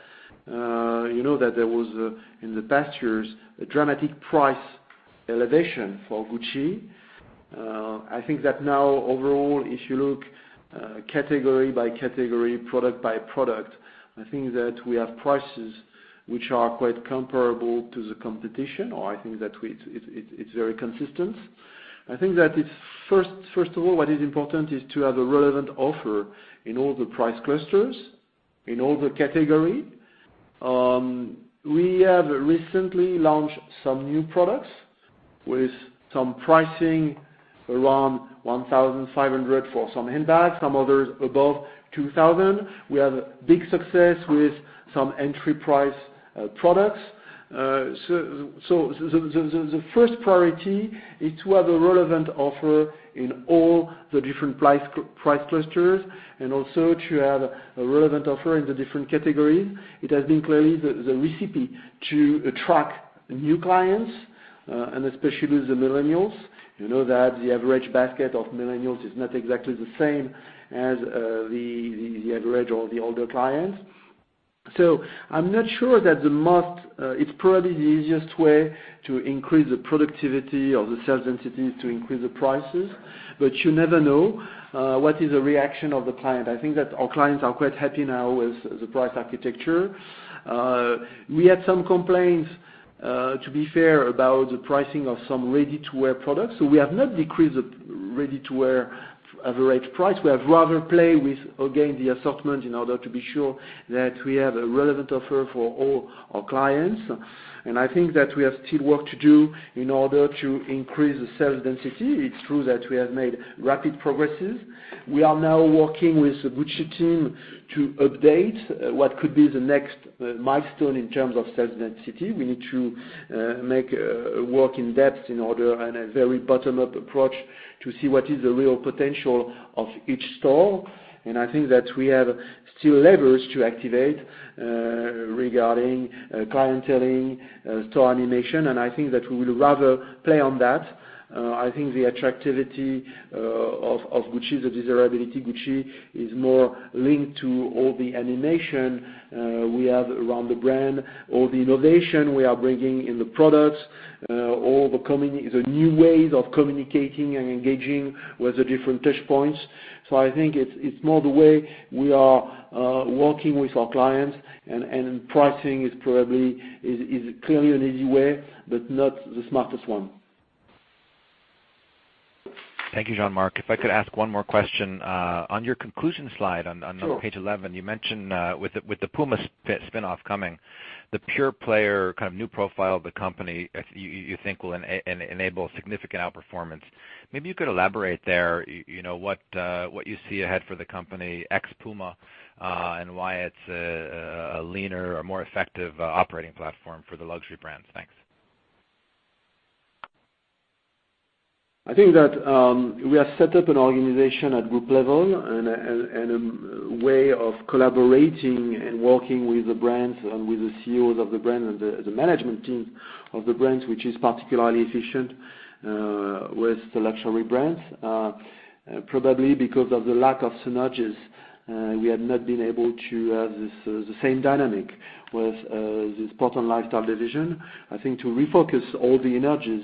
you know that there was, in the past years, a dramatic price elevation for Gucci. I think that now overall, if you look category by category, product by product, I think that we have prices which are quite comparable to the competition, or I think that it's very consistent. I think that it's first of all, what is important is to have a relevant offer in all the price clusters, in all the category. We have recently launched some new products with some pricing around 1,500 for some handbags, some others above 2,000. We have a big success with some entry price products. The first priority is to have a relevant offer in all the different price clusters and also to have a relevant offer in the different categories. It has been clearly the recipe to attract new clients, and especially the millennials. You know that the average basket of millennials is not exactly the same as the average or the older clients. I'm not sure that It's probably the easiest way to increase the productivity or the sales density is to increase the prices, but you never know what is the reaction of the client. I think that our clients are quite happy now with the price architecture. We had some complaints, to be fair, about the pricing of some ready-to-wear products. We have not decreased the ready-to-wear average price. We have rather played with, again, the assortment in order to be sure that we have a relevant offer for all our clients. I think that we have still work to do in order to increase the sales density. It's true that we have made rapid progresses. We are now working with the Gucci team to update what could be the next milestone in terms of sales density. We need to make work in depth in order and a very bottom-up approach to see what is the real potential of each store. I think that we have still levers to activate regarding clienteling, store animation, and I think that we would rather play on that. I think the attractivity of Gucci, the desirability Gucci, is more linked to all the animation we have around the brand, all the innovation we are bringing in the products, all the new ways of communicating and engaging with the different touchpoints. I think it's more the way we are working with our clients, pricing is clearly an easy way, but not the smartest one. Thank you, Jean-Marc. If I could ask one more question. On your conclusion slide- Sure on page 11, you mentioned with the Puma spin-off coming, the pure player kind of new profile of the company, you think will enable significant outperformance. Maybe you could elaborate there, what you see ahead for the company ex Puma, and why it's a leaner or more effective operating platform for the luxury brands. Thanks. I think that we have set up an organization at group level and a way of collaborating and working with the brands and with the CEOs of the brand and the management team of the brands, which is particularly efficient with the luxury brands. Probably because of the lack of synergies we have not been able to have the same dynamic with the Sport & Lifestyle division. I think to refocus all the energies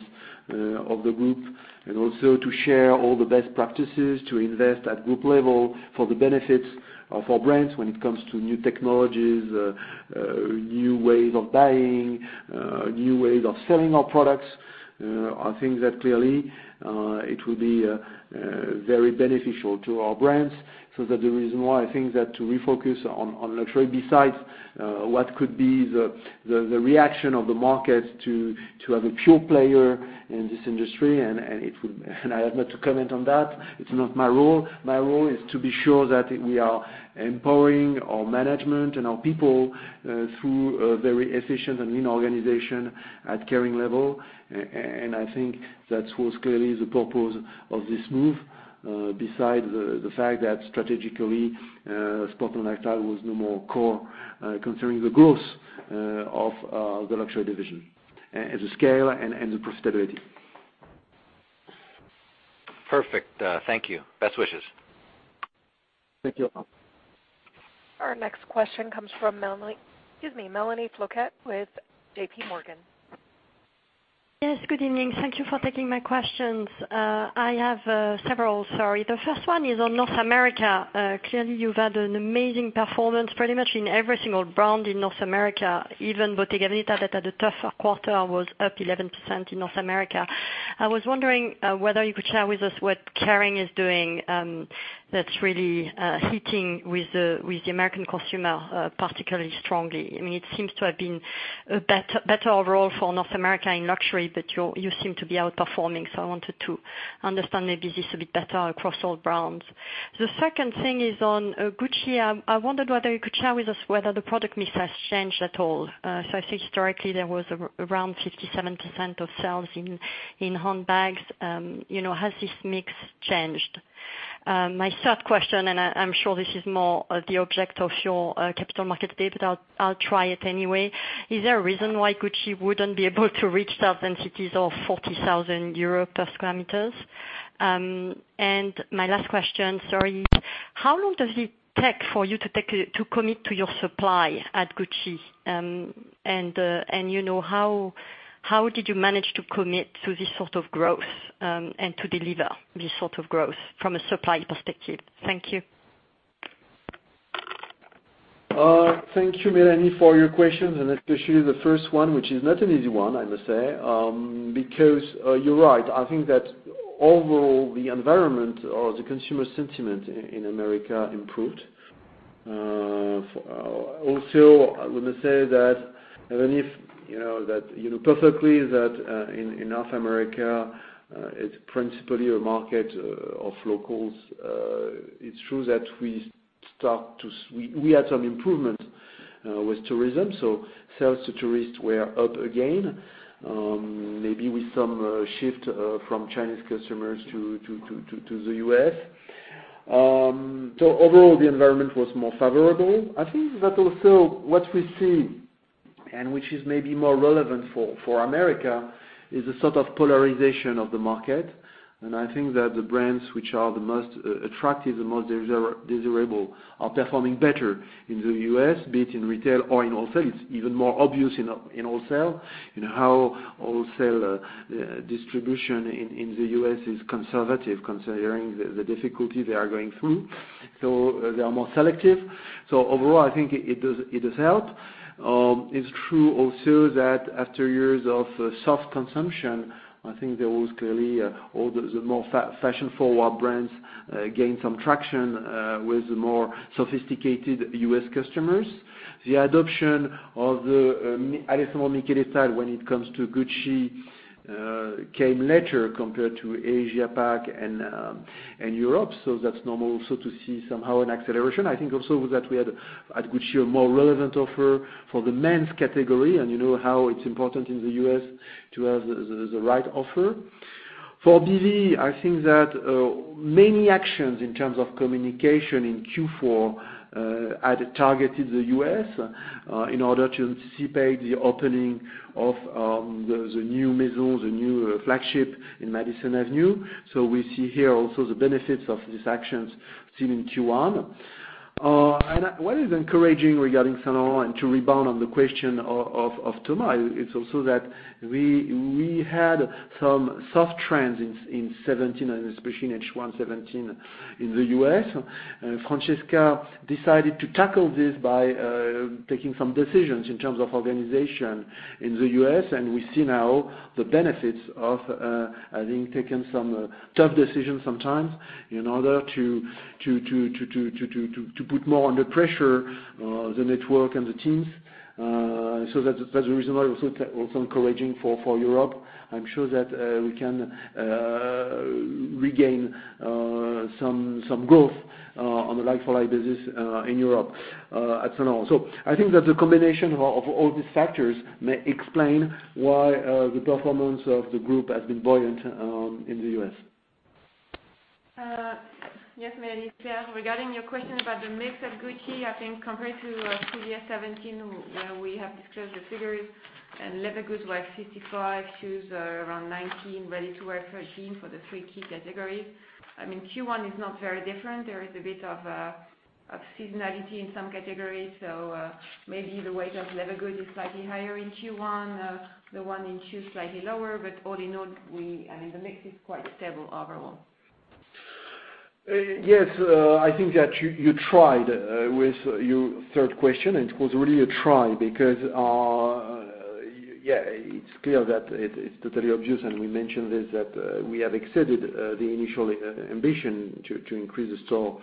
of the group and also to share all the best practices, to invest at group level for the benefit of our brands when it comes to new technologies, new ways of buying, new ways of selling our products, I think that clearly it will be very beneficial to our brands. That the reason why I think that to refocus on luxury, besides what could be the reaction of the market to have a pure player in this industry, I have not to comment on that. It's not my role. My role is to be sure that we are empowering our management and our people through a very efficient and lean organization at Kering level. I think that was clearly the purpose of this move, besides the fact that strategically, Sport & Lifestyle was no more core concerning the growth of the luxury division as a scale and the profitability. Perfect. Thank you. Best wishes. Thank you. Our next question comes from Mélanie Flouquet with J.P. Morgan. Yes, good evening. Thank you for taking my questions. I have several, sorry. The first one is on North America. Clearly, you've had an amazing performance pretty much in every single brand in North America. Even Bottega Veneta that had a tougher quarter was up 11% in North America. I was wondering whether you could share with us what Kering is doing, that's really hitting with the U.S. consumer particularly strongly. It seems to have been better overall for North America in luxury, but you seem to be outperforming. I wanted to understand maybe this a bit better across all brands. The second thing is on Gucci. I wondered whether you could share with us whether the product mix has changed at all. I think historically there was around 57% of sales in handbags. Has this mix changed? My third question, I'm sure this is more of the object of your capital markets day, but I'll try it anyway. Is there a reason why Gucci wouldn't be able to reach sales density of 40,000 euro per sq m? My last question, sorry. How long does it take for you to commit to your supply at Gucci? How did you manage to commit to this sort of growth, and to deliver this sort of growth from a supply perspective? Thank you. Thank you, Mélanie, for your questions, especially the first one, which is not an easy one, I must say. You're right. I think that overall, the environment or the consumer sentiment in the U.S. improved. I would say that even if you know perfectly that in North America, it's principally a market of locals. It's true that we had some improvement with tourism, sales to tourists were up again, maybe with some shift from Chinese customers to the U.S. Overall, the environment was more favorable. I think that also what we see, which is maybe more relevant for the U.S., is a sort of polarization of the market. I think that the brands which are the most attractive and most desirable are performing better in the U.S., be it in retail or in wholesale. It's even more obvious in wholesale, how wholesale distribution in the U.S. is conservative considering the difficulty they are going through. They are more selective. Overall, I think it does help. It's true also that after years of soft consumption, I think there was clearly all the more fashion-forward brands gained some traction with the more sophisticated U.S. customers. The adoption of the Alessandro Michele style when it comes to Gucci, came later compared to Asia-Pac and Europe. That's normal also to see somehow an acceleration. I think also that we had at Gucci, a more relevant offer for the men's category, you know how it's important in the U.S. to have the right offer. For BV, I think that many actions in terms of communication in Q4, had targeted the U.S. in order to anticipate the opening of the new maison, the new flagship in Madison Avenue. We see here also the benefits of these actions seen in Q1. What is encouraging regarding Saint Laurent and to rebound on the question of Thomas, it's also that we had some soft trends in 2017, and especially in H1 2017 in the U.S. Francesca decided to tackle this by taking some decisions in terms of organization in the U.S., and we see now the benefits of having taken some tough decisions sometimes in order to put more under pressure, the network and the teams. That's the reason why also encouraging for Europe. I'm sure that we can regain some growth on a like-for-like basis in Europe at Saint Laurent. I think that the combination of all these factors may explain why the performance of the group has been buoyant in the U.S. Yes, Mélanie regarding your question about the mix at Gucci, I think compared to Q1 2017, where we have disclosed the figures and leather goods were 55%, shoes around 19%, ready-to-wear 13% for the three key categories. I mean, Q1 is not very different. There is a bit of seasonality in some categories. Maybe the weight of leather goods is slightly higher in Q1, the one in shoes slightly lower, but all in all, the mix is quite stable overall. Yes. I think that you tried with your third question, and it was really a try because, it's clear that it's totally obvious, and we mentioned this, that we have exceeded the initial ambition to increase the store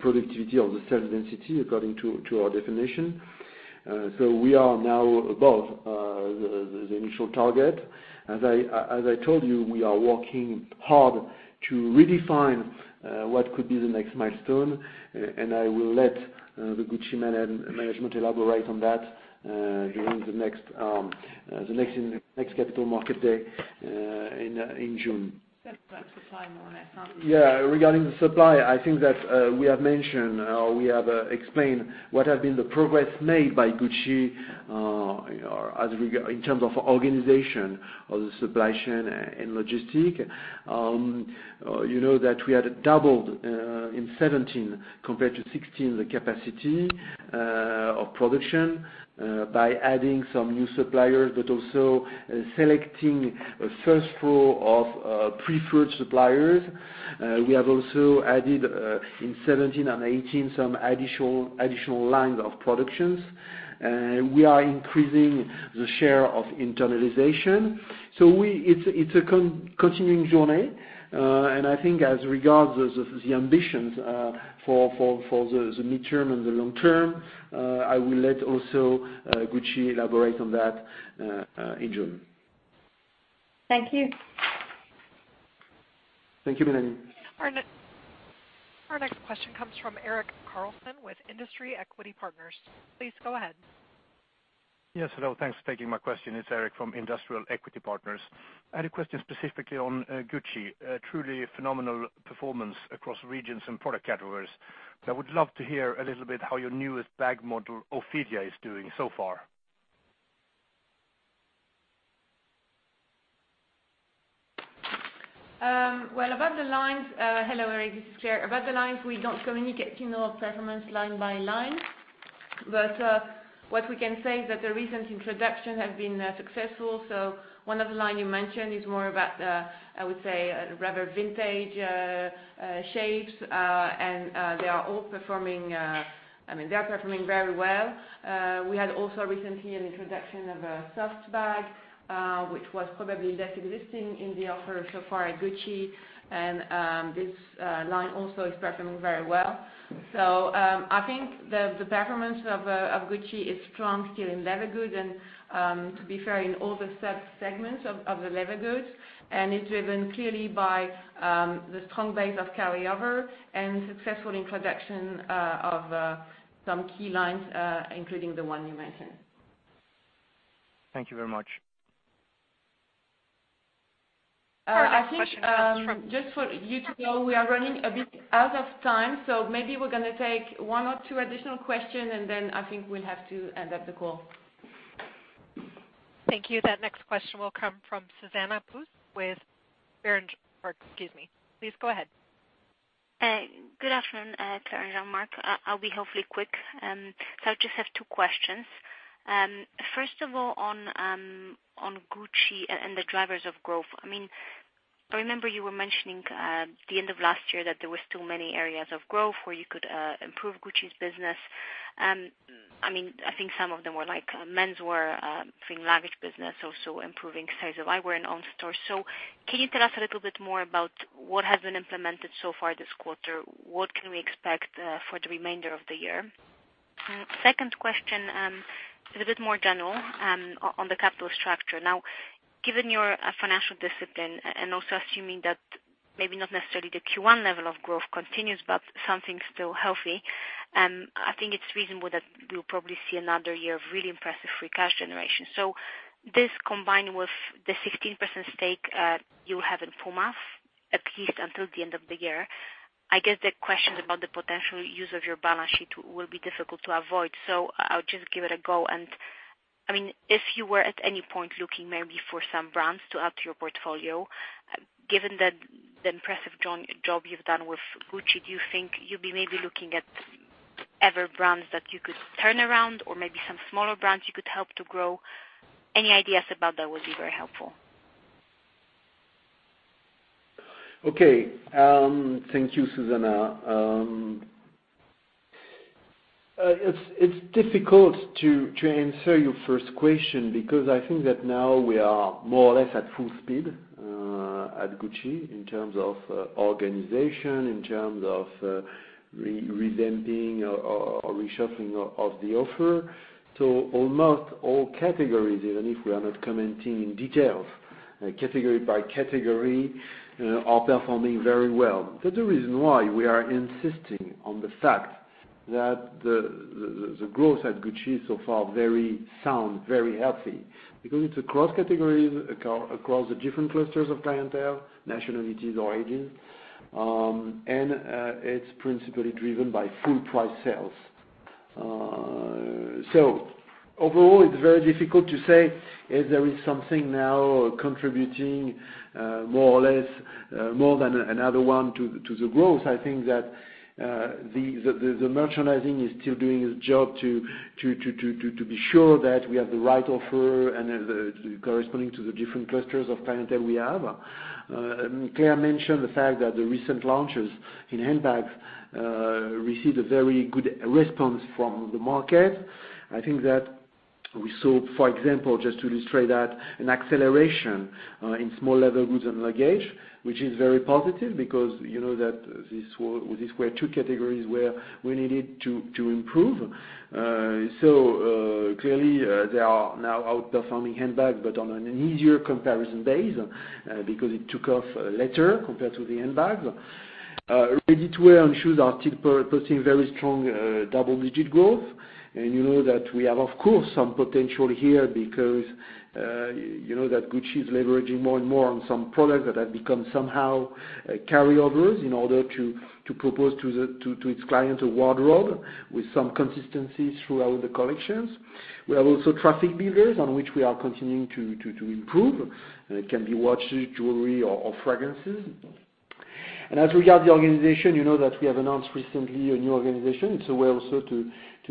productivity or the sales density according to our definition. We are now above the initial target. As I told you, we are working hard to redefine what could be the next milestone. I will let the Gucci management elaborate on that during the next capital market day in June. It's about supply more or less. Yeah. Regarding the supply, I think that we have mentioned, we have explained what has been the progress made by Gucci in terms of organization of the supply chain and logistic. You know that we had doubled in 2017 compared to 2016, the capacity. Production, by adding some new suppliers, but also selecting a first row of preferred suppliers. We have also added, in 2017 and 2018, some additional lines of productions. We are increasing the share of internalization. It's a continuing journey. I think as regards the ambitions for the midterm and the long term, I will let also Gucci elaborate on that in June. Thank you. Thank you, Mélanie. Our next question comes from Erik Karlsson with Industrial Equity Partners. Please go ahead. Yes, hello. Thanks for taking my question. It's Erik from Industrial Equity Partners. I had a question specifically on Gucci. A truly phenomenal performance across regions and product categories. I would love to hear a little bit how your newest bag model, Ophidia, is doing so far. Hello, Erik, this is Claire. About the lines, we don't communicate performance line by line. What we can say is that the recent introduction has been successful. One of the line you mentioned is more about, I would say, rather vintage shapes. They are all performing very well. We had also recently an introduction of a soft bag, which was probably less existing in the offer so far at Gucci. This line also is performing very well. I think the performance of Gucci is strong still in leather goods and, to be fair, in all the sub-segments of the leather goods. It's driven clearly by the strong base of carryover and successful introduction of some key lines, including the one you mentioned. Thank you very much. I think- Our next question comes from- Just for you to know, we are running a bit out of time, maybe we're going to take one or two additional question, I think we'll have to end the call. Thank you. That next question will come from Zuzanna Pusz with Berenberg. Excuse me. Please go ahead. Good afternoon, Claire and Jean-Marc. I'll be hopefully quick. I just have two questions. First of all, on Gucci and the drivers of growth. I remember you were mentioning at the end of last year that there was still many areas of growth where you could improve Gucci's business. I think some of them were menswear, improving luggage business, also improving sales of eyewear and own stores. Can you tell us a little bit more about what has been implemented so far this quarter? What can we expect for the remainder of the year? Second question, a little bit more general on the capital structure. Now, given your financial discipline and also assuming that maybe not necessarily the Q1 level of growth continues, but something still healthy, I think it's reasonable that we'll probably see another year of really impressive free cash generation. This combined with the 16% stake you have in Puma, at least until the end of the year, I guess the questions about the potential use of your balance sheet will be difficult to avoid. I'll just give it a go. If you were at any point looking maybe for some brands to add to your portfolio, given the impressive job you've done with Gucci, do you think you'll be maybe looking at other brands that you could turn around? Or maybe some smaller brands you could help to grow? Any ideas about that would be very helpful. Okay. Thank you, Zuzanna. It's difficult to answer your first question because I think that now we are more or less at full speed at Gucci in terms of organization, in terms of resenting or reshuffling of the offer. Almost all categories, even if we are not commenting in details, category by category, are performing very well. That's the reason why we are insisting on the fact that the growth at Gucci so far, very sound, very healthy, because it's across categories, across the different clusters of clientele, nationalities, origins, and it's principally driven by full price sales. Overall, it's very difficult to say if there is something now contributing more or less, more than another one to the growth. I think that the merchandising is still doing its job to be sure that we have the right offer corresponding to the different clusters of clientele we have. Claire mentioned the fact that the recent launches in handbags received a very good response from the market. I think that we saw, for example, just to illustrate that, an acceleration in small leather goods and luggage, which is very positive because you know that these were two categories where we needed to improve. Clearly, they are now outperforming handbag, but on an easier comparison base, because it took off later compared to the handbag. Ready-to-wear and shoes are still posting very strong double-digit growth. You know that we have, of course, some potential here because you know that Gucci is leveraging more and more on some products that have become somehow carryovers in order to propose to its client a wardrobe with some consistency throughout the collections. We have also traffic builders on which we are continuing to improve. It can be watches, jewelry, or fragrances. As we guide the organization, you know that we have announced recently a new organization. It's a way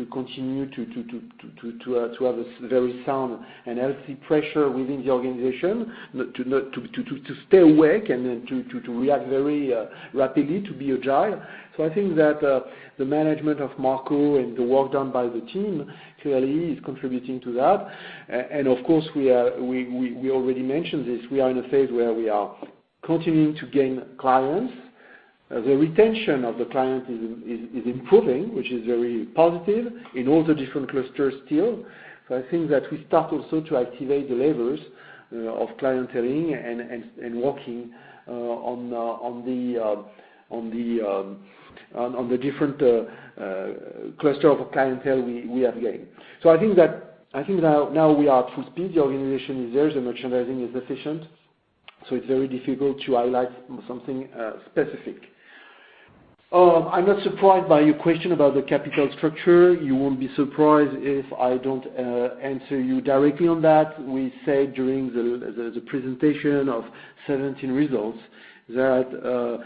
also to continue to have a very sound and healthy pressure within the organization to stay awake to react very rapidly, to be agile. I think that the management of Marco and the work done by the team clearly is contributing to that. Of course, we already mentioned this, we are in a phase where we are continuing to gain clients. The retention of the client is improving, which is very positive in all the different clusters still. I think that we start also to activate the levers of clienteling and working on the different cluster of clientele we are getting. I think now we are at full speed. The organization is there, the merchandising is efficient, it's very difficult to highlight something specific. I'm not surprised by your question about the capital structure. You won't be surprised if I don't answer you directly on that. We said during the presentation of 2017 results that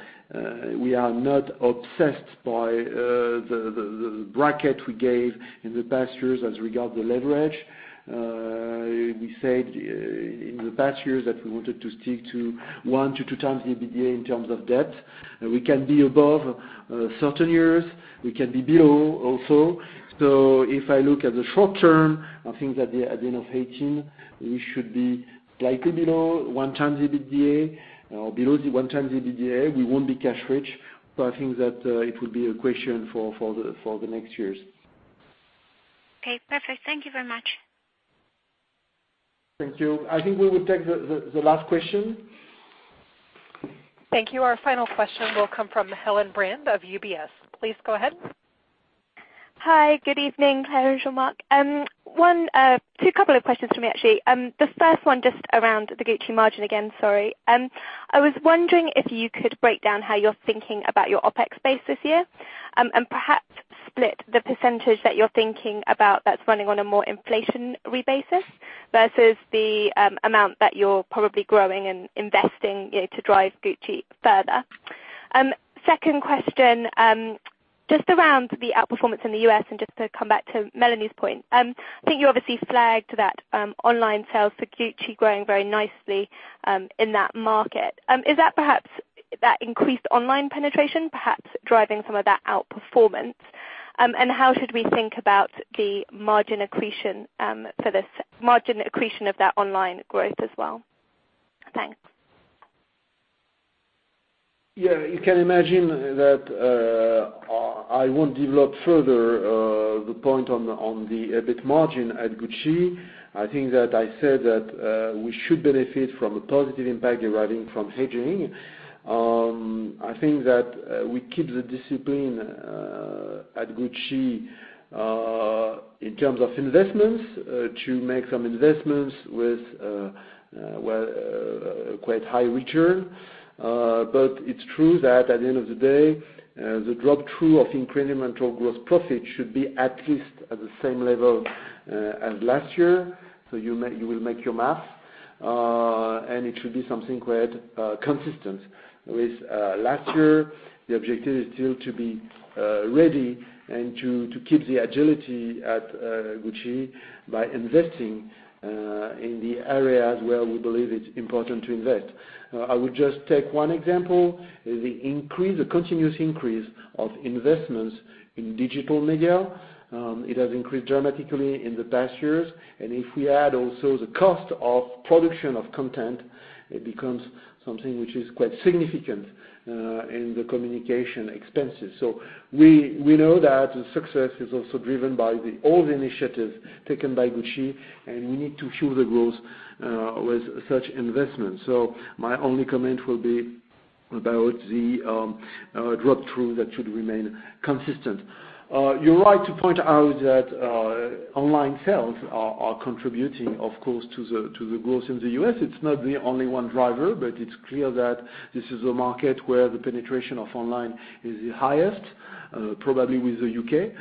we are not obsessed by the bracket we gave in the past years as regard the leverage. We said in the past years that we wanted to stick to one to two times EBITDA in terms of debt. We can be above certain years, we can be below also. If I look at the short term, I think that at the end of 2018, we should be slightly below one times EBITDA. Below the one times EBITDA, we won't be cash rich. I think that it would be a question for the next years. Okay, perfect. Thank you very much. Thank you. I think we will take the last question. Thank you. Our final question will come from Helen Brand of UBS. Please go ahead. Hi. Good evening, Claire and Jean-Marc. Two couple of questions from me actually. The first one just around the Gucci margin again, sorry. I was wondering if you could break down how you're thinking about your OpEx base this year, and perhaps split the percentage that you're thinking about that's running on a more inflationary basis versus the amount that you're probably growing and investing to drive Gucci further. Second question, just around the outperformance in the U.S. and just to come back to Mélanie's point. I think you obviously flagged that online sales for Gucci growing very nicely in that market. Is that perhaps that increased online penetration perhaps driving some of that outperformance? How should we think about the margin accretion of that online growth as well? Thanks. You can imagine that I won't develop further the point on the EBIT margin at Gucci. I think that I said that we should benefit from a positive impact deriving from hedging. I think that we keep the discipline at Gucci in terms of investments to make some investments with quite high return. It's true that at the end of the day, the drop-through of incremental gross profit should be at least at the same level as last year. You will make your math, and it should be something quite consistent with last year. The objective is still to be ready and to keep the agility at Gucci by investing in the areas where we believe it's important to invest. I would just take one example, the continuous increase of investments in digital media. It has increased dramatically in the past years, and if we add also the cost of production of content, it becomes something which is quite significant in the communication expenses. We know that the success is also driven by the old initiative taken by Gucci, and we need to fuel the growth with such investments. My only comment will be about the drop-through that should remain consistent. You're right to point out that online sales are contributing, of course, to the growth in the U.S. It's not the only one driver, but it's clear that this is a market where the penetration of online is the highest, probably with the U.K.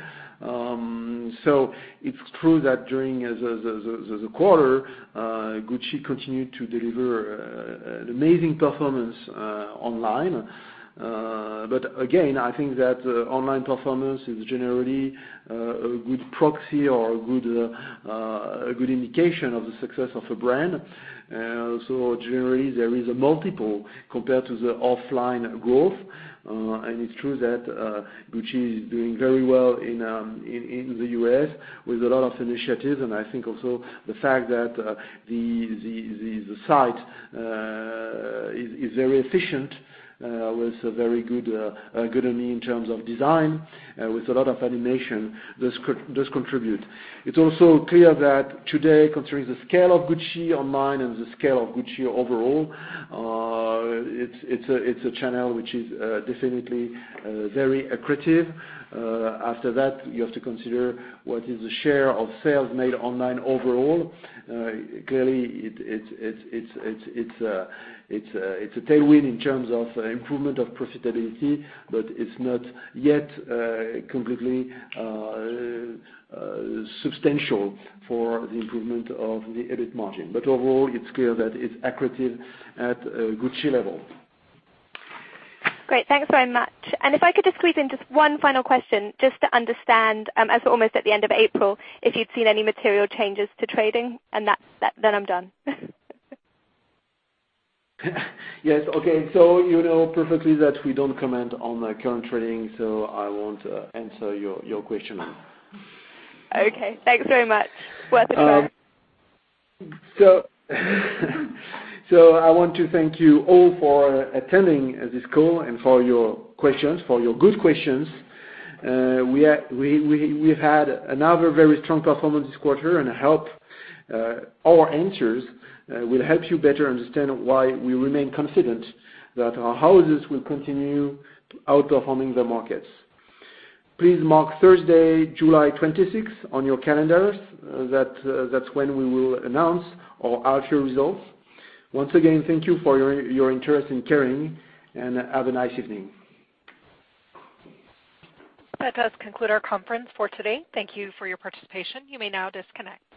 It's true that during the quarter, Gucci continued to deliver an amazing performance online. Again, I think that online performance is generally a good proxy or a good indication of the success of a brand. Generally, there is a multiple compared to the offline growth. It's true that Gucci is doing very well in the U.S. with a lot of initiatives. I think also the fact that the site is very efficient with a very good earning in terms of design, with a lot of animation, does contribute. It's also clear that today, considering the scale of Gucci online and the scale of Gucci overall, it's a channel which is definitely very accretive. After that, you have to consider what is the share of sales made online overall. Clearly, it's a tailwind in terms of improvement of profitability, but it's not yet completely substantial for the improvement of the EBIT margin. Overall, it's clear that it's accretive at Gucci level. Great. Thanks very much. If I could just squeeze in just one final question, just to understand, as we're almost at the end of April, if you'd seen any material changes to trading, then I'm done. Yes. Okay. You know perfectly that we don't comment on current trading, so I won't answer your question. Okay. Thanks very much. Worth a try. I want to thank you all for attending this call and for your questions, for your good questions. We've had another very strong performance this quarter. I hope our answers will help you better understand why we remain confident that our houses will continue outperforming the markets. Please mark Thursday, July 26 on your calendars. That's when we will announce our actual results. Once again, thank you for your interest in Kering. Have a nice evening. That does conclude our conference for today. Thank you for your participation. You may now disconnect.